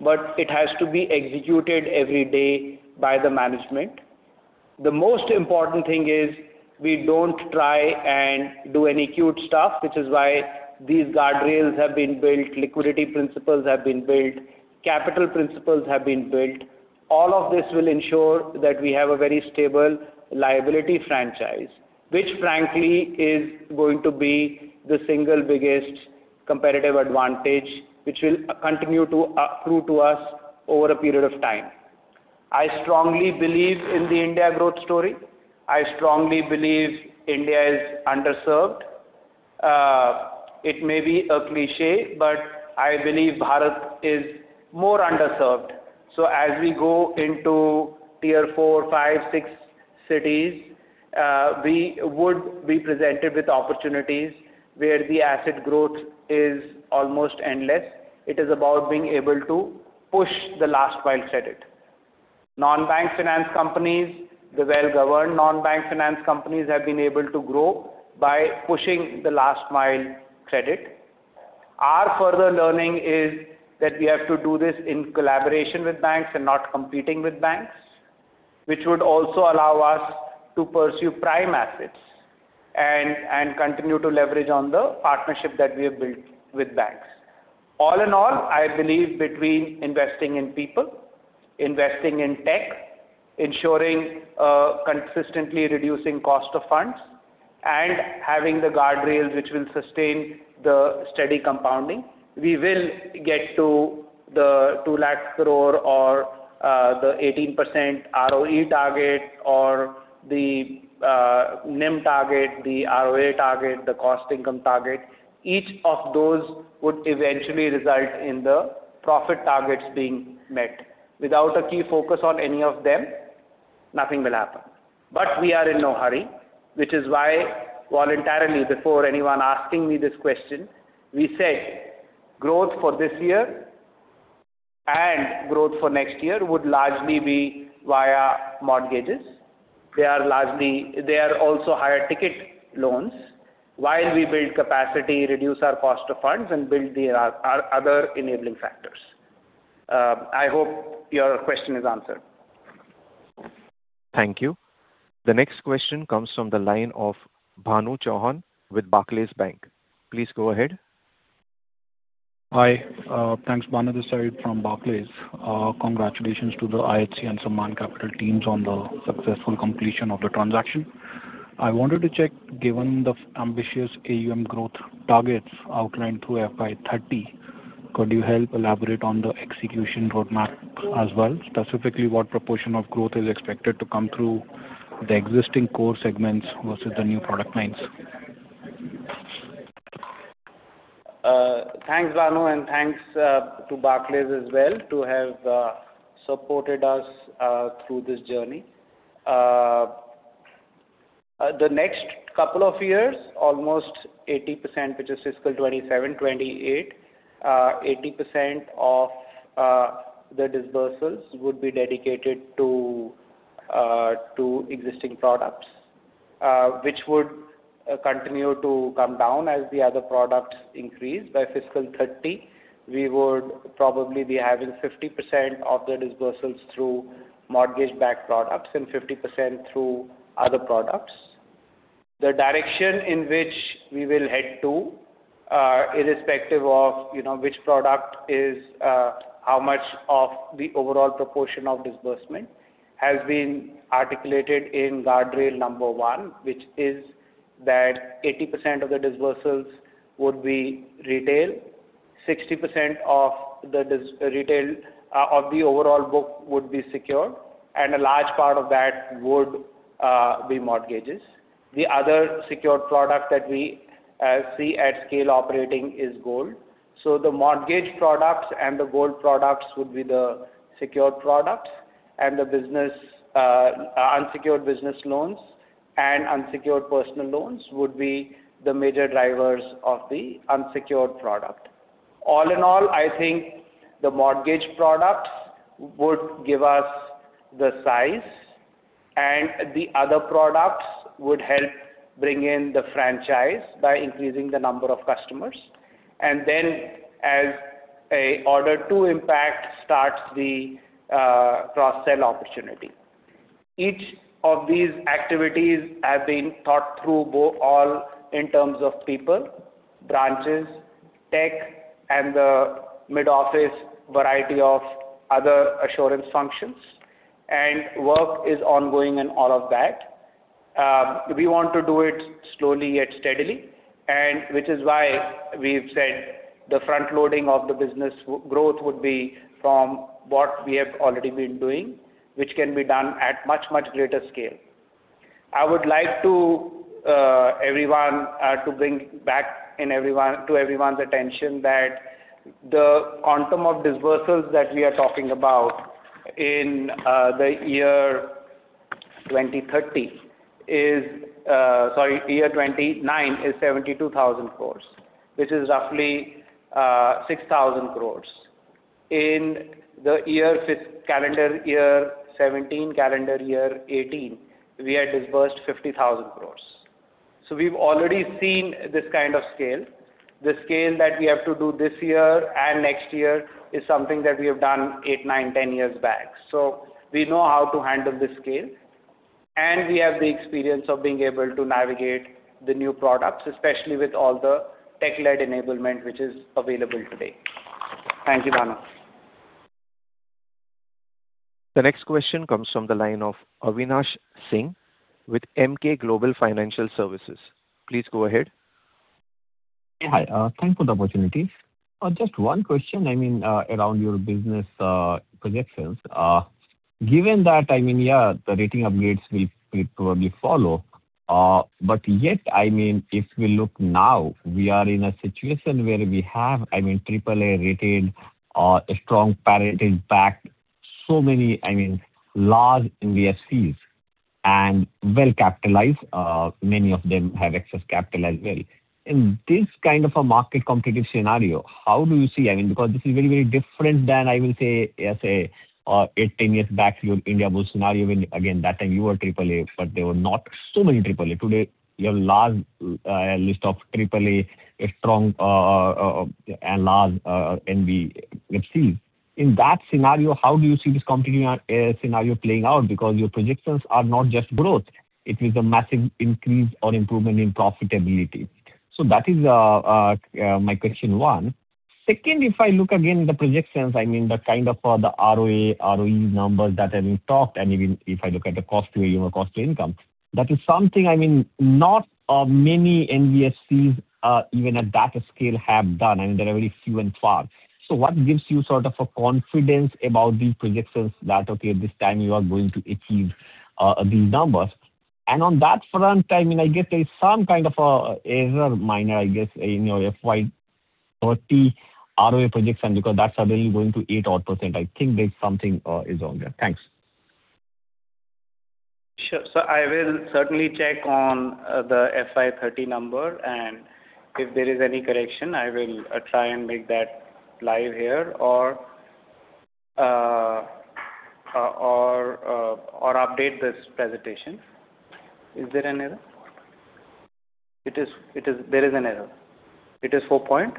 but it has to be executed every day by the management. The most important thing is we don't try and do any cute stuff, which is why these guardrails have been built, liquidity principles have been built, capital principles have been built. All of this will ensure that we have a very stable liability franchise, which frankly, is going to be the single biggest competitive advantage which will continue to accrue to us over a period of time. I strongly believe in the India growth story. I strongly believe India is underserved. It may be a cliché, but I believe Bharat is more underserved. As we go into tier four, five, six cities, we would be presented with opportunities where the asset growth is almost endless. It is about being able to push the last-mile credit. Non-Banking Financial Companies, the well-governed Non-Banking Financial Companies have been able to grow by pushing the last-mile credit. Our further learning is that we have to do this in collaboration with banks and not competing with banks, which would also allow us to pursue prime assets and continue to leverage on the partnership that we have built with banks. All in all, I believe between investing in people, investing in tech, ensuring consistently reducing cost of funds and having the guardrails which will sustain the steady compounding, we will get to the 2 lakh crore or the 18% ROE target or the NIM target, the ROA target, the cost income target. Each of those would eventually result in the profit targets being met. Without a key focus on any of them, nothing will happen. We are in no hurry, which is why voluntarily, before anyone asking me this question, we said growth for this year growth for next year would largely be via mortgages. They are also higher ticket loans. While we build capacity, reduce our cost of funds, and build our other enabling factors. I hope your question is answered. Thank you. The next question comes from the line of Bhanu Chauhan with Barclays Bank. Please go ahead. Hi. Thanks. Bhanu this side from Barclays. Congratulations to the IHC and Sammaan Capital teams on the successful completion of the transaction. I wanted to check, given the ambitious AUM growth targets outlined through FY 2030, could you help elaborate on the execution roadmap as well? Specifically, what proportion of growth is expected to come through the existing core segments versus the new product lines? Thanks, Bhanu, and thanks to Barclays as well to have supported us through this journey. The next couple of years, which is fiscal 2027, 2028, 80% of the disbursements would be dedicated to existing products, which would continue to come down as the other products increase. By fiscal 2030, we would probably be having 50% of the disbursements through mortgage-backed products and 50% through other products. The direction in which we will head to, irrespective of which product is how much of the overall proportion of disbursement, has been articulated in guardrail number 1, which is that 80% of the disbursements would be retail, 60% of the overall book would be secured, and a large part of that would be mortgages. The other secured product that we see at scale operating is gold. The mortgage products and the gold products would be the secured products, and the unsecured business loans and unsecured personal loans would be the major drivers of the unsecured product. All in all, I think the mortgage products would give us the size and the other products would help bring in the franchise by increasing the number of customers, and then as order to impact starts the cross-sell opportunity. Each of these activities have been thought through all in terms of people, branches, tech, and the mid-office variety of other assurance functions, and work is ongoing in all of that. We want to do it slowly yet steadily, which is why we've said the front-loading of the business growth would be from what we have already been doing, which can be done at much greater scale. I would like to bring back to everyone's attention that the quantum of disbursements that we are talking about in the year 2029 is 72,000 crore, which is roughly 6,000 crore. In the calendar year 2017, calendar year 2018, we had disbursed 50,000 crore. We've already seen this kind of scale. The scale that we have to do this year and next year is something that we have done eight, nine, 10 years back. We know how to handle this scale, and we have the experience of being able to navigate the new products, especially with all the tech-led enablement which is available today. Thank you, Bhanu. The next question comes from the line of Avinash Singh with Emkay Global Financial Services. Please go ahead. Hi. Thanks for the opportunity. Just one question around your business projections. Given that, the rating upgrades will probably follow. Yet, if we look now, we are in a situation where we have AAA rating, a strong parent impact, so many large NBFCs and well-capitalized. Many of them have excess capital as well. In this kind of a market competitive scenario, how do you see it? This is very, very different than, I will say, eight, 10 years back Indiabulls scenario when again, that time you were AAA, but there were not so many AAA. Today, you have large list of AAA, a strong and large NBFCs. In that scenario, how do you see this competitive scenario playing out? Your projections are not just growth, it is a massive increase or improvement in profitability. That is my question one. If I look again the projections, the kind of the ROA, ROE numbers that are being talked, and even if I look at the cost to AUM or cost to income, that is something not many NBFCs even at that scale have done, and they are very few and far. What gives you sort of a confidence about these projections that, okay, this time you are going to achieve these numbers? On that front, I guess there is some kind of a error minor, I guess, in your FY 2030 ROA projection, because that's already going to 8 odd %. I think there is something is wrong there. Thanks. Sure. I will certainly check on the FY 2030 number, and if there is any correction, I will try and make that live here or update this presentation. Is there an error? There is an error. It is 4 point-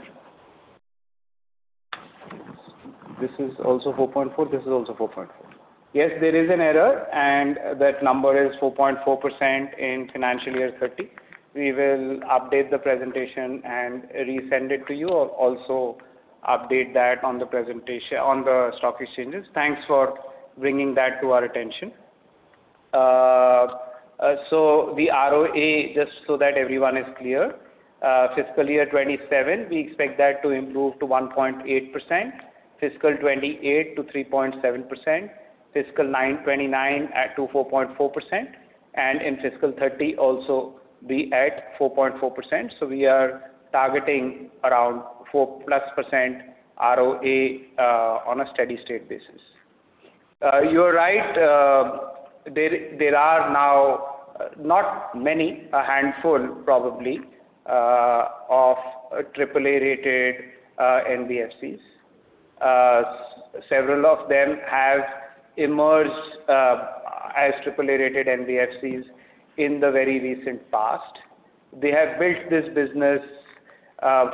This is also 4.4%. This is also 4.4%. Yes, there is an error, and that number is 4.4% in financial year 2030. We will update the presentation and resend it to you, or also update that on the stock exchanges. Thanks for bringing that to our attention. The ROA, just so that everyone is clear, fiscal year 2027, we expect that to improve to 1.8%, fiscal 2028 to 3.7%, fiscal 2029 to 4.4%, and in fiscal 2030 also be at 4.4%. We are targeting around 4%+ ROA on a steady-state basis. You are right. There are now not many, a handful probably, of AAA-rated NBFCs. Several of them have emerged as AAA-rated NBFCs in the very recent past. They have built this business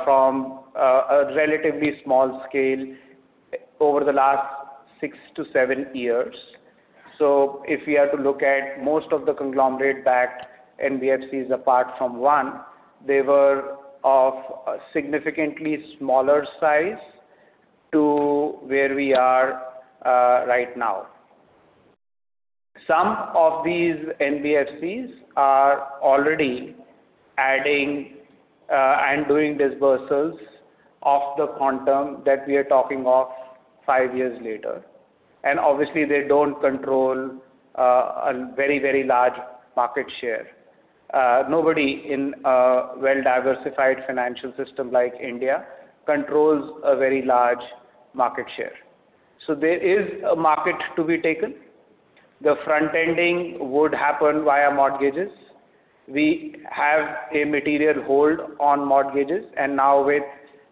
from a relatively small scale over the last six to seven years. If we are to look at most of the conglomerate-backed NBFCs, apart from one, they were of a significantly smaller size to where we are right now. Some of these NBFCs are already adding and doing disbursements of the quantum that we are talking of five years later. Obviously, they don't control a very large market share. Nobody in a well-diversified financial system like India controls a very large market share. There is a market to be taken. The front-ending would happen via mortgages. We have a material hold on mortgages, and now with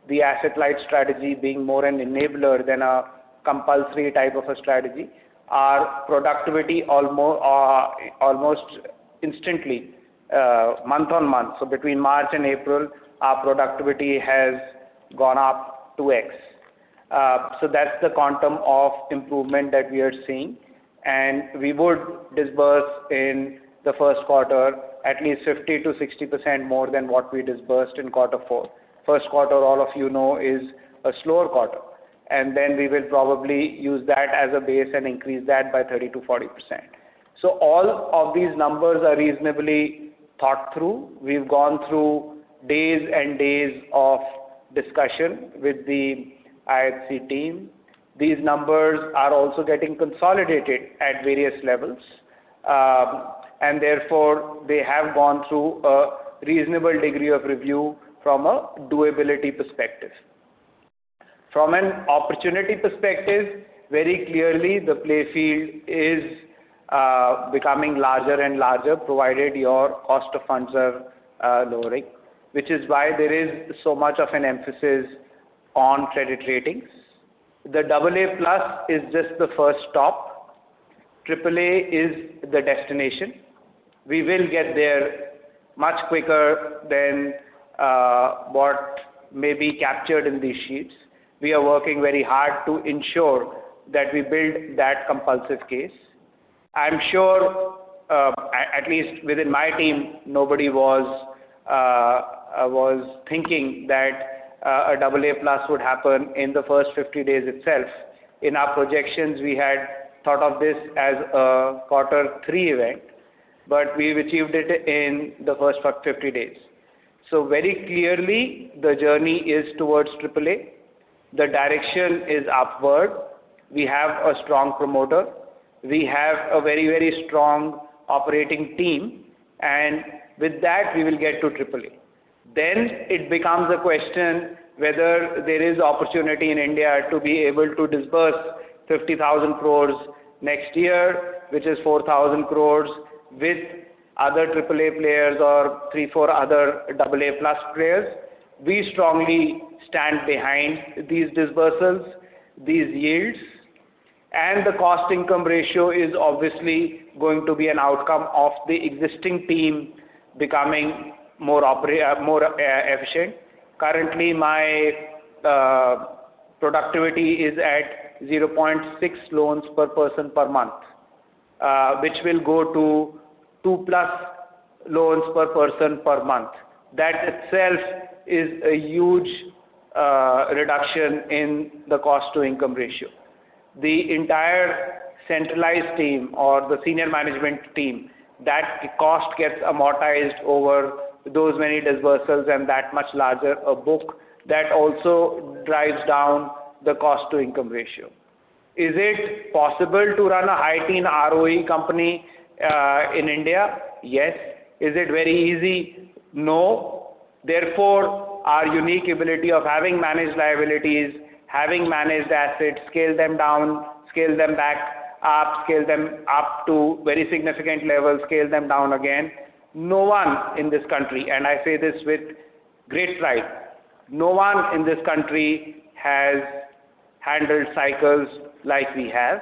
the asset-light strategy being more an enabler than a compulsory type of a strategy, our productivity almost instantly, month on month. Between March and April, our productivity has gone up 2x. That's the quantum of improvement that we are seeing. We would disburse in the first quarter at least 50%-60% more than what we disbursed in quarter four. First quarter, all of you know, is a slower quarter. Then we will probably use that as a base and increase that by 30%-40%. All of these numbers are reasonably thought through. We've gone through days and days of discussion with the IHC team. These numbers are also getting consolidated at various levels. Therefore, they have gone through a reasonable degree of review from a doability perspective. From an opportunity perspective, very clearly the playfield is becoming larger and larger, provided your cost of funds are lowering, which is why there is so much of an emphasis on credit ratings. The AA+ is just the first stop. AAA is the destination. We will get there much quicker than what may be captured in these sheets. We are working very hard to ensure that we build that compulsive case. I'm sure, at least within my team, nobody was thinking that a AA+ would happen in the first 50 days itself. In our projections, we had thought of this as a quarter three event, but we've achieved it in the first 50 days. Very clearly, the journey is towards AAA. The direction is upward. We have a strong promoter. We have a very strong operating team, and with that, we will get to AAA. It becomes a question whether there is opportunity in India to be able to disburse 50,000 crore next year, which is 4,000 crore with other AAA players or three, four other AA+ players. We strongly stand behind these disbursements, these yields, and the cost-to-income ratio is obviously going to be an outcome of the existing team becoming more efficient. Currently, my productivity is at 0.6 loans per person per month, which will go to 2+ loans per person per month. That itself is a huge reduction in the cost-to-income ratio. The entire centralized team or the senior management team, that cost gets amortized over those many disbursements and that much larger a book. That also drives down the cost-to-income ratio. Is it possible to run a high-teen ROE company in India? Yes. Is it very easy? No. Therefore, our unique ability of having managed liabilities, having managed assets, scale them down, scale them back up, scale them up to very significant levels, scale them down again. No one in this country, and I say this with great pride, no one in this country has handled cycles like we have.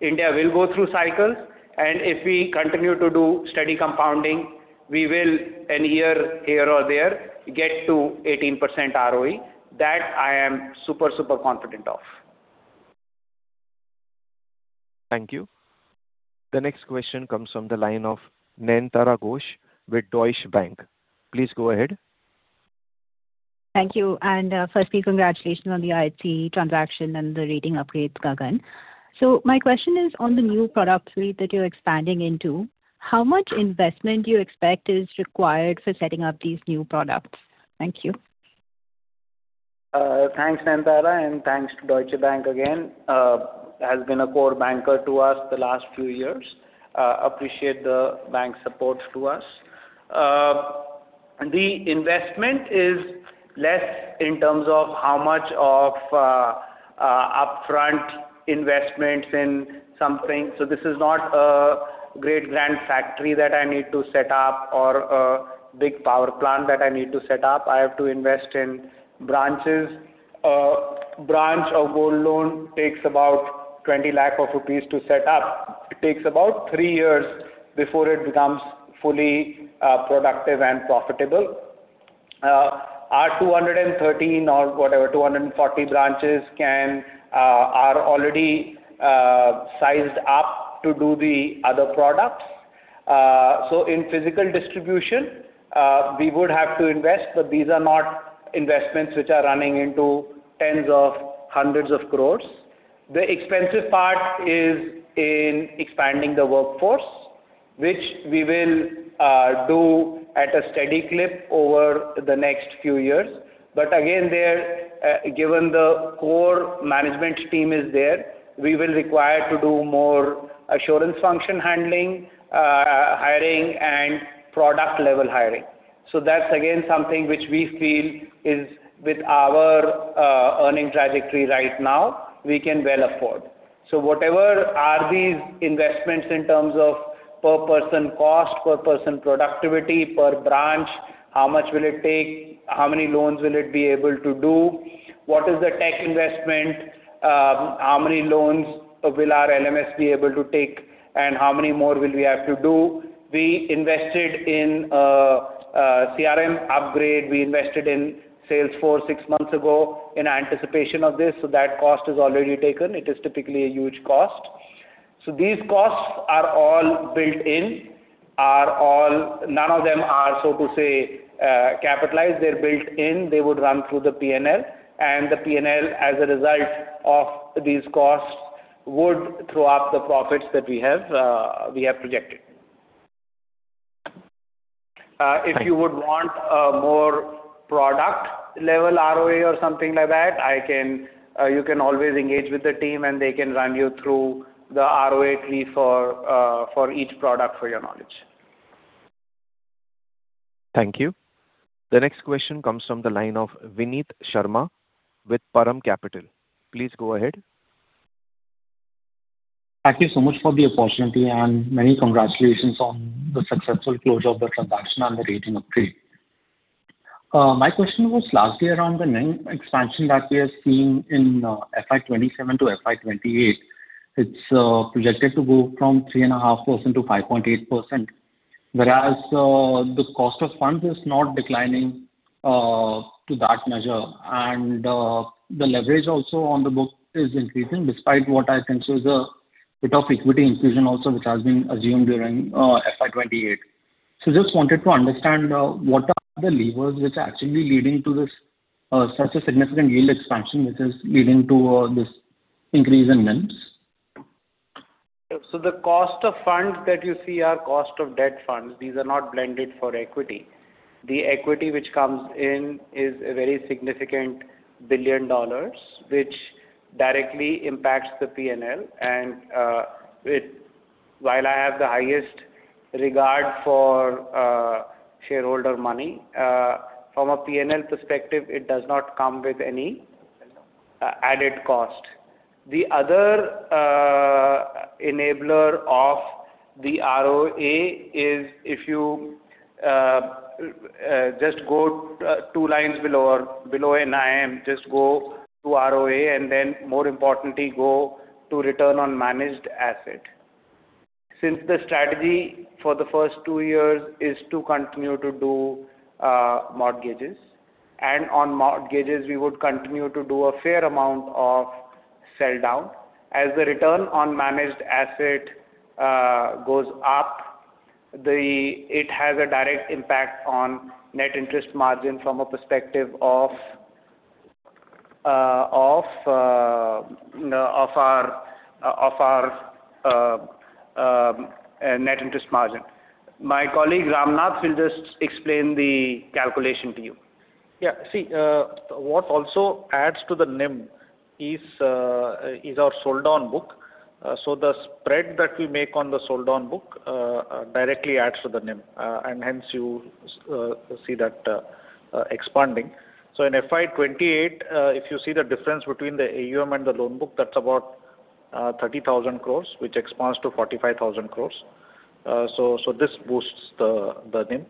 India will go through cycles and if we continue to do steady compounding, we will in a year, here or there, get to 18% ROE. That I am super super confident of. Thank you. The next question comes from the line of Nayantara Ghosh with Deutsche Bank. Please go ahead. Thank you. Firstly, congratulations on the IHC transaction and the rating upgrades, Gagan. My question is on the new product suite that you're expanding into, how much investment do you expect is required for setting up these new products? Thank you. Thanks, Nayantara, and thanks to Deutsche Bank again. It has been a core banker to us the last few years. Appreciate the bank's support to us. The investment is less in terms of how much of upfront investments in something. This is not a great grand factory that I need to set up or a big power plant that I need to set up. I have to invest in branches. A branch of gold loan takes about 20 lakh of rupees to set up. It takes about three years before it becomes fully productive and profitable. Our 213 or whatever, 240 branches are already sized up to do the other products. In physical distribution, we would have to invest, but these are not investments which are running into tens of hundreds of crores. The expensive part is in expanding the workforce, which we will do at a steady clip over the next few years. Again, given the core management team is there, we will require to do more assurance function handling, hiring, and product-level hiring. That's again, something which we feel is with our earning trajectory right now, we can well afford. Whatever are these investments in terms of per person cost, per person productivity, per branch, how much will it take? How many loans will it be able to do? What is the tech investment? How many loans will our LMS be able to take, and how many more will we have to do? We invested in a CRM upgrade. We invested in Salesforce six months ago in anticipation of this, so that cost is already taken. It is typically a huge cost. These costs are all built in. None of them are, so to say, capitalized. They're built in. They would run through the P&L. The P&L, as a result of these costs, would throw up the profits that we have projected. If you would want a more product-level ROA or something like that, you can always engage with the team and they can run you through the ROA tree for each product for your knowledge. Thank you. The next question comes from the line of Vineet Sharma with Param Capital. Please go ahead. Thank you so much for the opportunity and many congratulations on the successful closure of the transaction and the rating upgrade. My question was lastly around the NIM expansion that we are seeing in FY 2027 to FY 2028. It is projected to go from 3.5% to 5.8%, whereas the cost of funds is not declining to that measure. The leverage also on the book is increasing despite what I consider the bit of equity infusion also, which has been assumed during FY 2028. Just wanted to understand what are the levers which are actually leading to such a significant yield expansion, which is leading to this increase in NIMs? The cost of funds that you see are cost of debt funds. These are not blended for equity. The equity which comes in is a very significant $1 billion, which directly impacts the P&L. While I have the highest regard for shareholder money, from a P&L perspective, it does not come with any added cost. The other enabler of the ROA is if you just go two lines below NIM, just go to ROA and then more importantly, go to return on managed asset. Since the strategy for the first two years is to continue to do mortgages, and on mortgages, we would continue to do a fair amount of sell-down. As the return on managed asset goes up, it has a direct impact on net interest margin from a perspective of our net interest margin. My colleague, Ramnath, will just explain the calculation to you. What also adds to the NIM is our sold-down book. The spread that we make on the sold-down book directly adds to the NIM, and hence you see that expanding. In FY 2028, if you see the difference between the AUM and the loan book, that is about 30,000 crores, which expands to 45,000 crores. This boosts the NIM.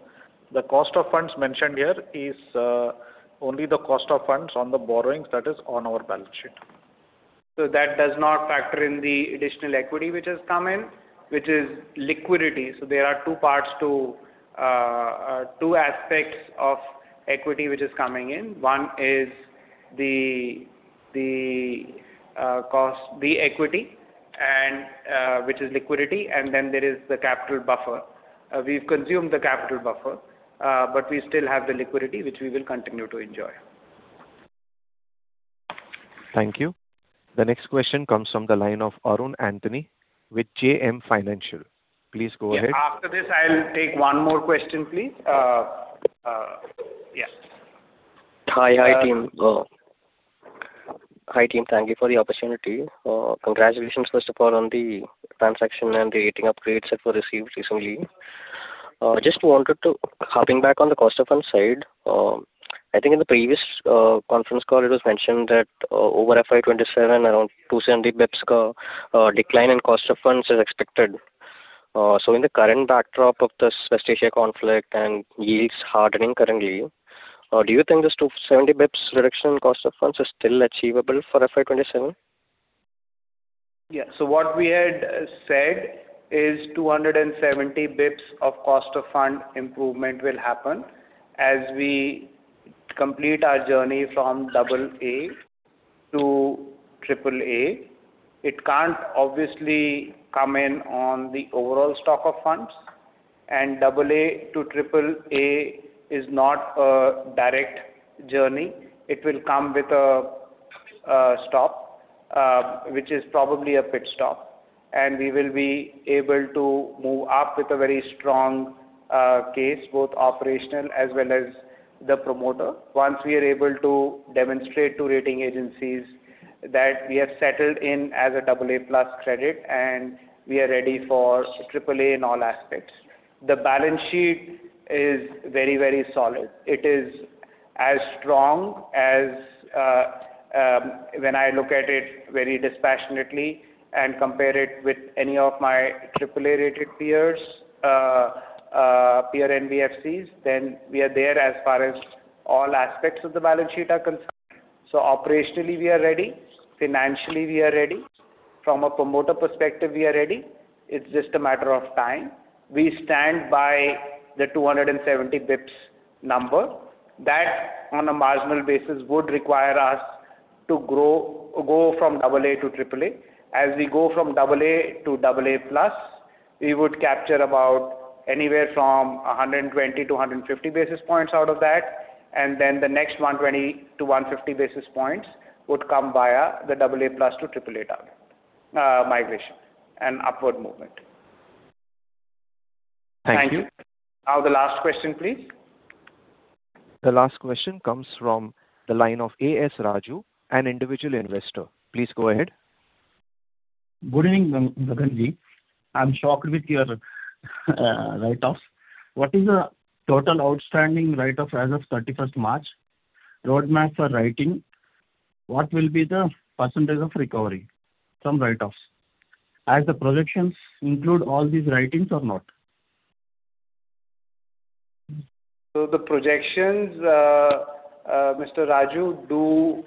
The cost of funds mentioned here is only the cost of funds on the borrowings that is on our balance sheet. That does not factor in the additional equity which has come in, which is liquidity. There are two aspects of equity which is coming in. One is the equity, which is liquidity, and then there is the capital buffer. We've consumed the capital buffer, but we still have the liquidity, which we will continue to enjoy. Thank you. The next question comes from the line of Arun Antony with JM Financial. Please go ahead. Yeah. After this, I'll take one more question, please. Yeah. Hi, team. Thank you for the opportunity. Congratulations, first of all, on the transaction and the rating upgrades that were received recently. Just wanted to harping back on the cost of funds side. I think in the previous conference call, it was mentioned that over FY 2027, around 270 basis points decline in cost of funds is expected. In the current backdrop of this West Asia conflict and yields hardening currently, do you think this 270 basis points reduction in cost of funds is still achievable for FY 2027? Yeah. What we had said is 270 basis points of cost of fund improvement will happen as we complete our journey from AA to AAA. It can't obviously come in on the overall stock of funds, and AA to AAA is not a direct journey. It will come with a stop, which is probably a pit stop, and we will be able to move up with a very strong case, both operational as well as the promoter, once we are able to demonstrate to rating agencies that we have settled in as a AA+ credit and we are ready for AAA in all aspects. The balance sheet is very solid. It is as strong as when I look at it very dispassionately and compare it with any of my AAA-rated peer NBFCs, then we are there as far as all aspects of the balance sheet are concerned. Operationally, we are ready. Financially, we are ready. From a promoter perspective, we are ready. It's just a matter of time. We stand by the 270 basis points number. That, on a marginal basis, would require us to go from AA to AAA. As we go from AA to AA+, we would capture about anywhere from 120 to 150 basis points out of that, and then the next 120 to 150 basis points would come via the AA+ to AAA target migration and upward movement. Thank you. Thank you. Now the last question, please. The last question comes from the line of A. S. Raju, an individual investor. Please go ahead. Good evening, Gagan. I'm shocked with your write-offs. What is the total outstanding write-off as of 31st March? Roadmap for write-offs. What will be the percentage of recovery from write-offs? Are the projections include all these write-offs or not? The projections, Mr. Raju, do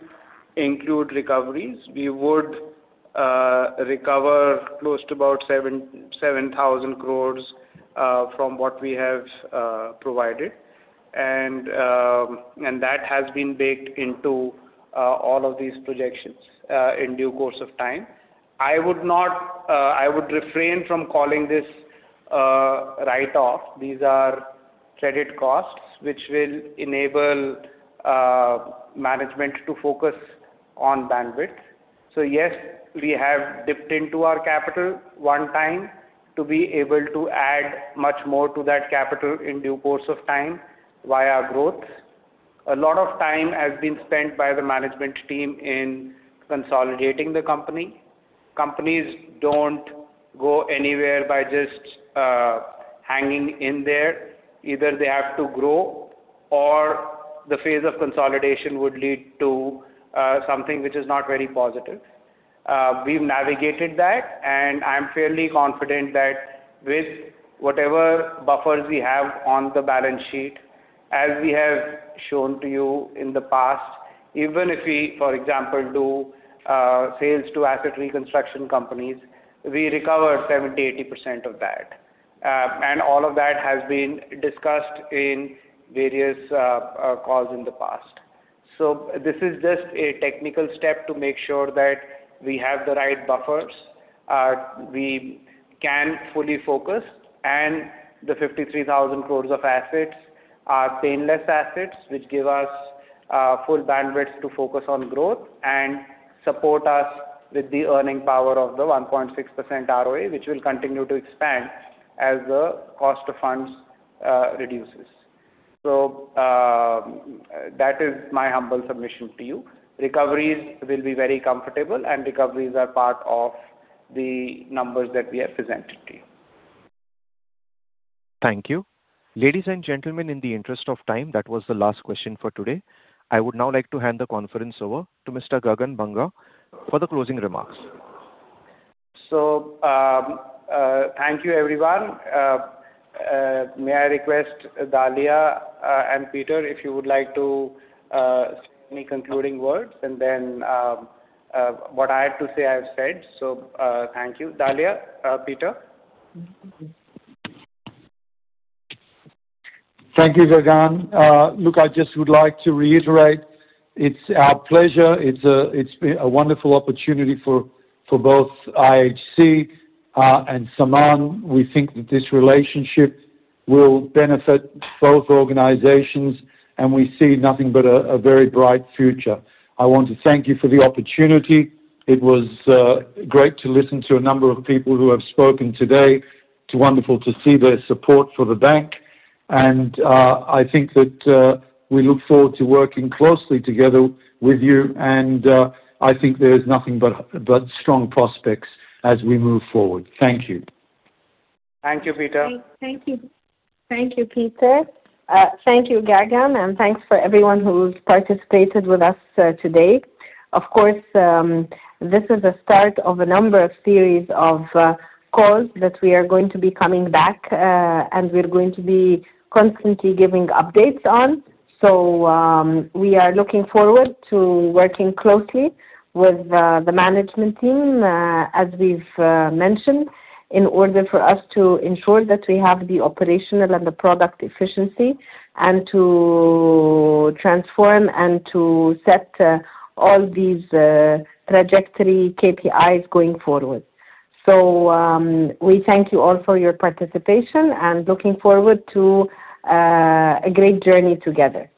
include recoveries. We would recover close to about 7,000 crore from what we have provided. That has been baked into all of these projections in due course of time. I would refrain from calling this a write-off. These are credit costs which will enable management to focus on bandwidth. Yes, we have dipped into our capital one time to be able to add much more to that capital in due course of time via growth. A lot of time has been spent by the management team in consolidating the company. Companies don't go anywhere by just hanging in there. Either they have to grow or the phase of consolidation would lead to something which is not very positive. We've navigated that, and I'm fairly confident that with whatever buffers we have on the balance sheet, as we have shown to you in the past, even if we, for example, do sales to asset reconstruction companies, we recover 70%, 80% of that. All of that has been discussed in various calls in the past. This is just a technical step to make sure that we have the right buffers, we can fully focus, and the 53,000 crores of assets are painless assets, which give us full bandwidth to focus on growth and support us with the earning power of the 1.6% ROE, which will continue to expand as the cost of funds reduces. That is my humble submission to you. Recoveries will be very comfortable and recoveries are part of the numbers that we have presented to you. Thank you. Ladies and gentlemen, in the interest of time, that was the last question for today. I would now like to hand the conference over to Mr. Gagan Banga for the closing remarks. Thank you everyone. May I request Dalia and Peter, if you would like to say any concluding words, and then what I have to say, I have said. Thank you. Dalia, Peter? Thank you, Gagan. Look, I just would like to reiterate, it's our pleasure. It's been a wonderful opportunity for both IHC and Sammaan. We think that this relationship will benefit both organizations, and we see nothing but a very bright future. I want to thank you for the opportunity. It was great to listen to a number of people who have spoken today. It's wonderful to see their support for the bank. I think that we look forward to working closely together with you, and I think there is nothing but strong prospects as we move forward. Thank you. Thank you, Peter. Thank you, Peter. Thank you, Gagan, and thanks for everyone who's participated with us today. Of course, this is the start of a number of series of calls that we are going to be coming back and we're going to be constantly giving updates on. We are looking forward to working closely with the management team, as we've mentioned, in order for us to ensure that we have the operational and the product efficiency and to transform and to set all these trajectory KPIs going forward. We thank you all for your participation and looking forward to a great journey together.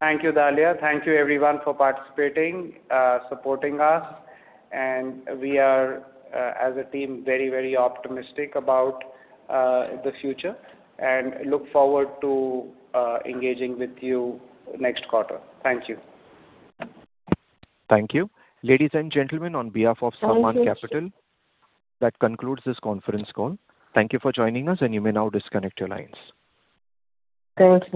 Thank you, Dalia. Thank you everyone for participating, supporting us, and we are, as a team, very optimistic about the future, and look forward to engaging with you next quarter. Thank you. Thank you. Ladies and gentlemen, on behalf of Sammaan Capital. Thank you. That concludes this conference call. Thank you for joining us, and you may now disconnect your lines. Thank you.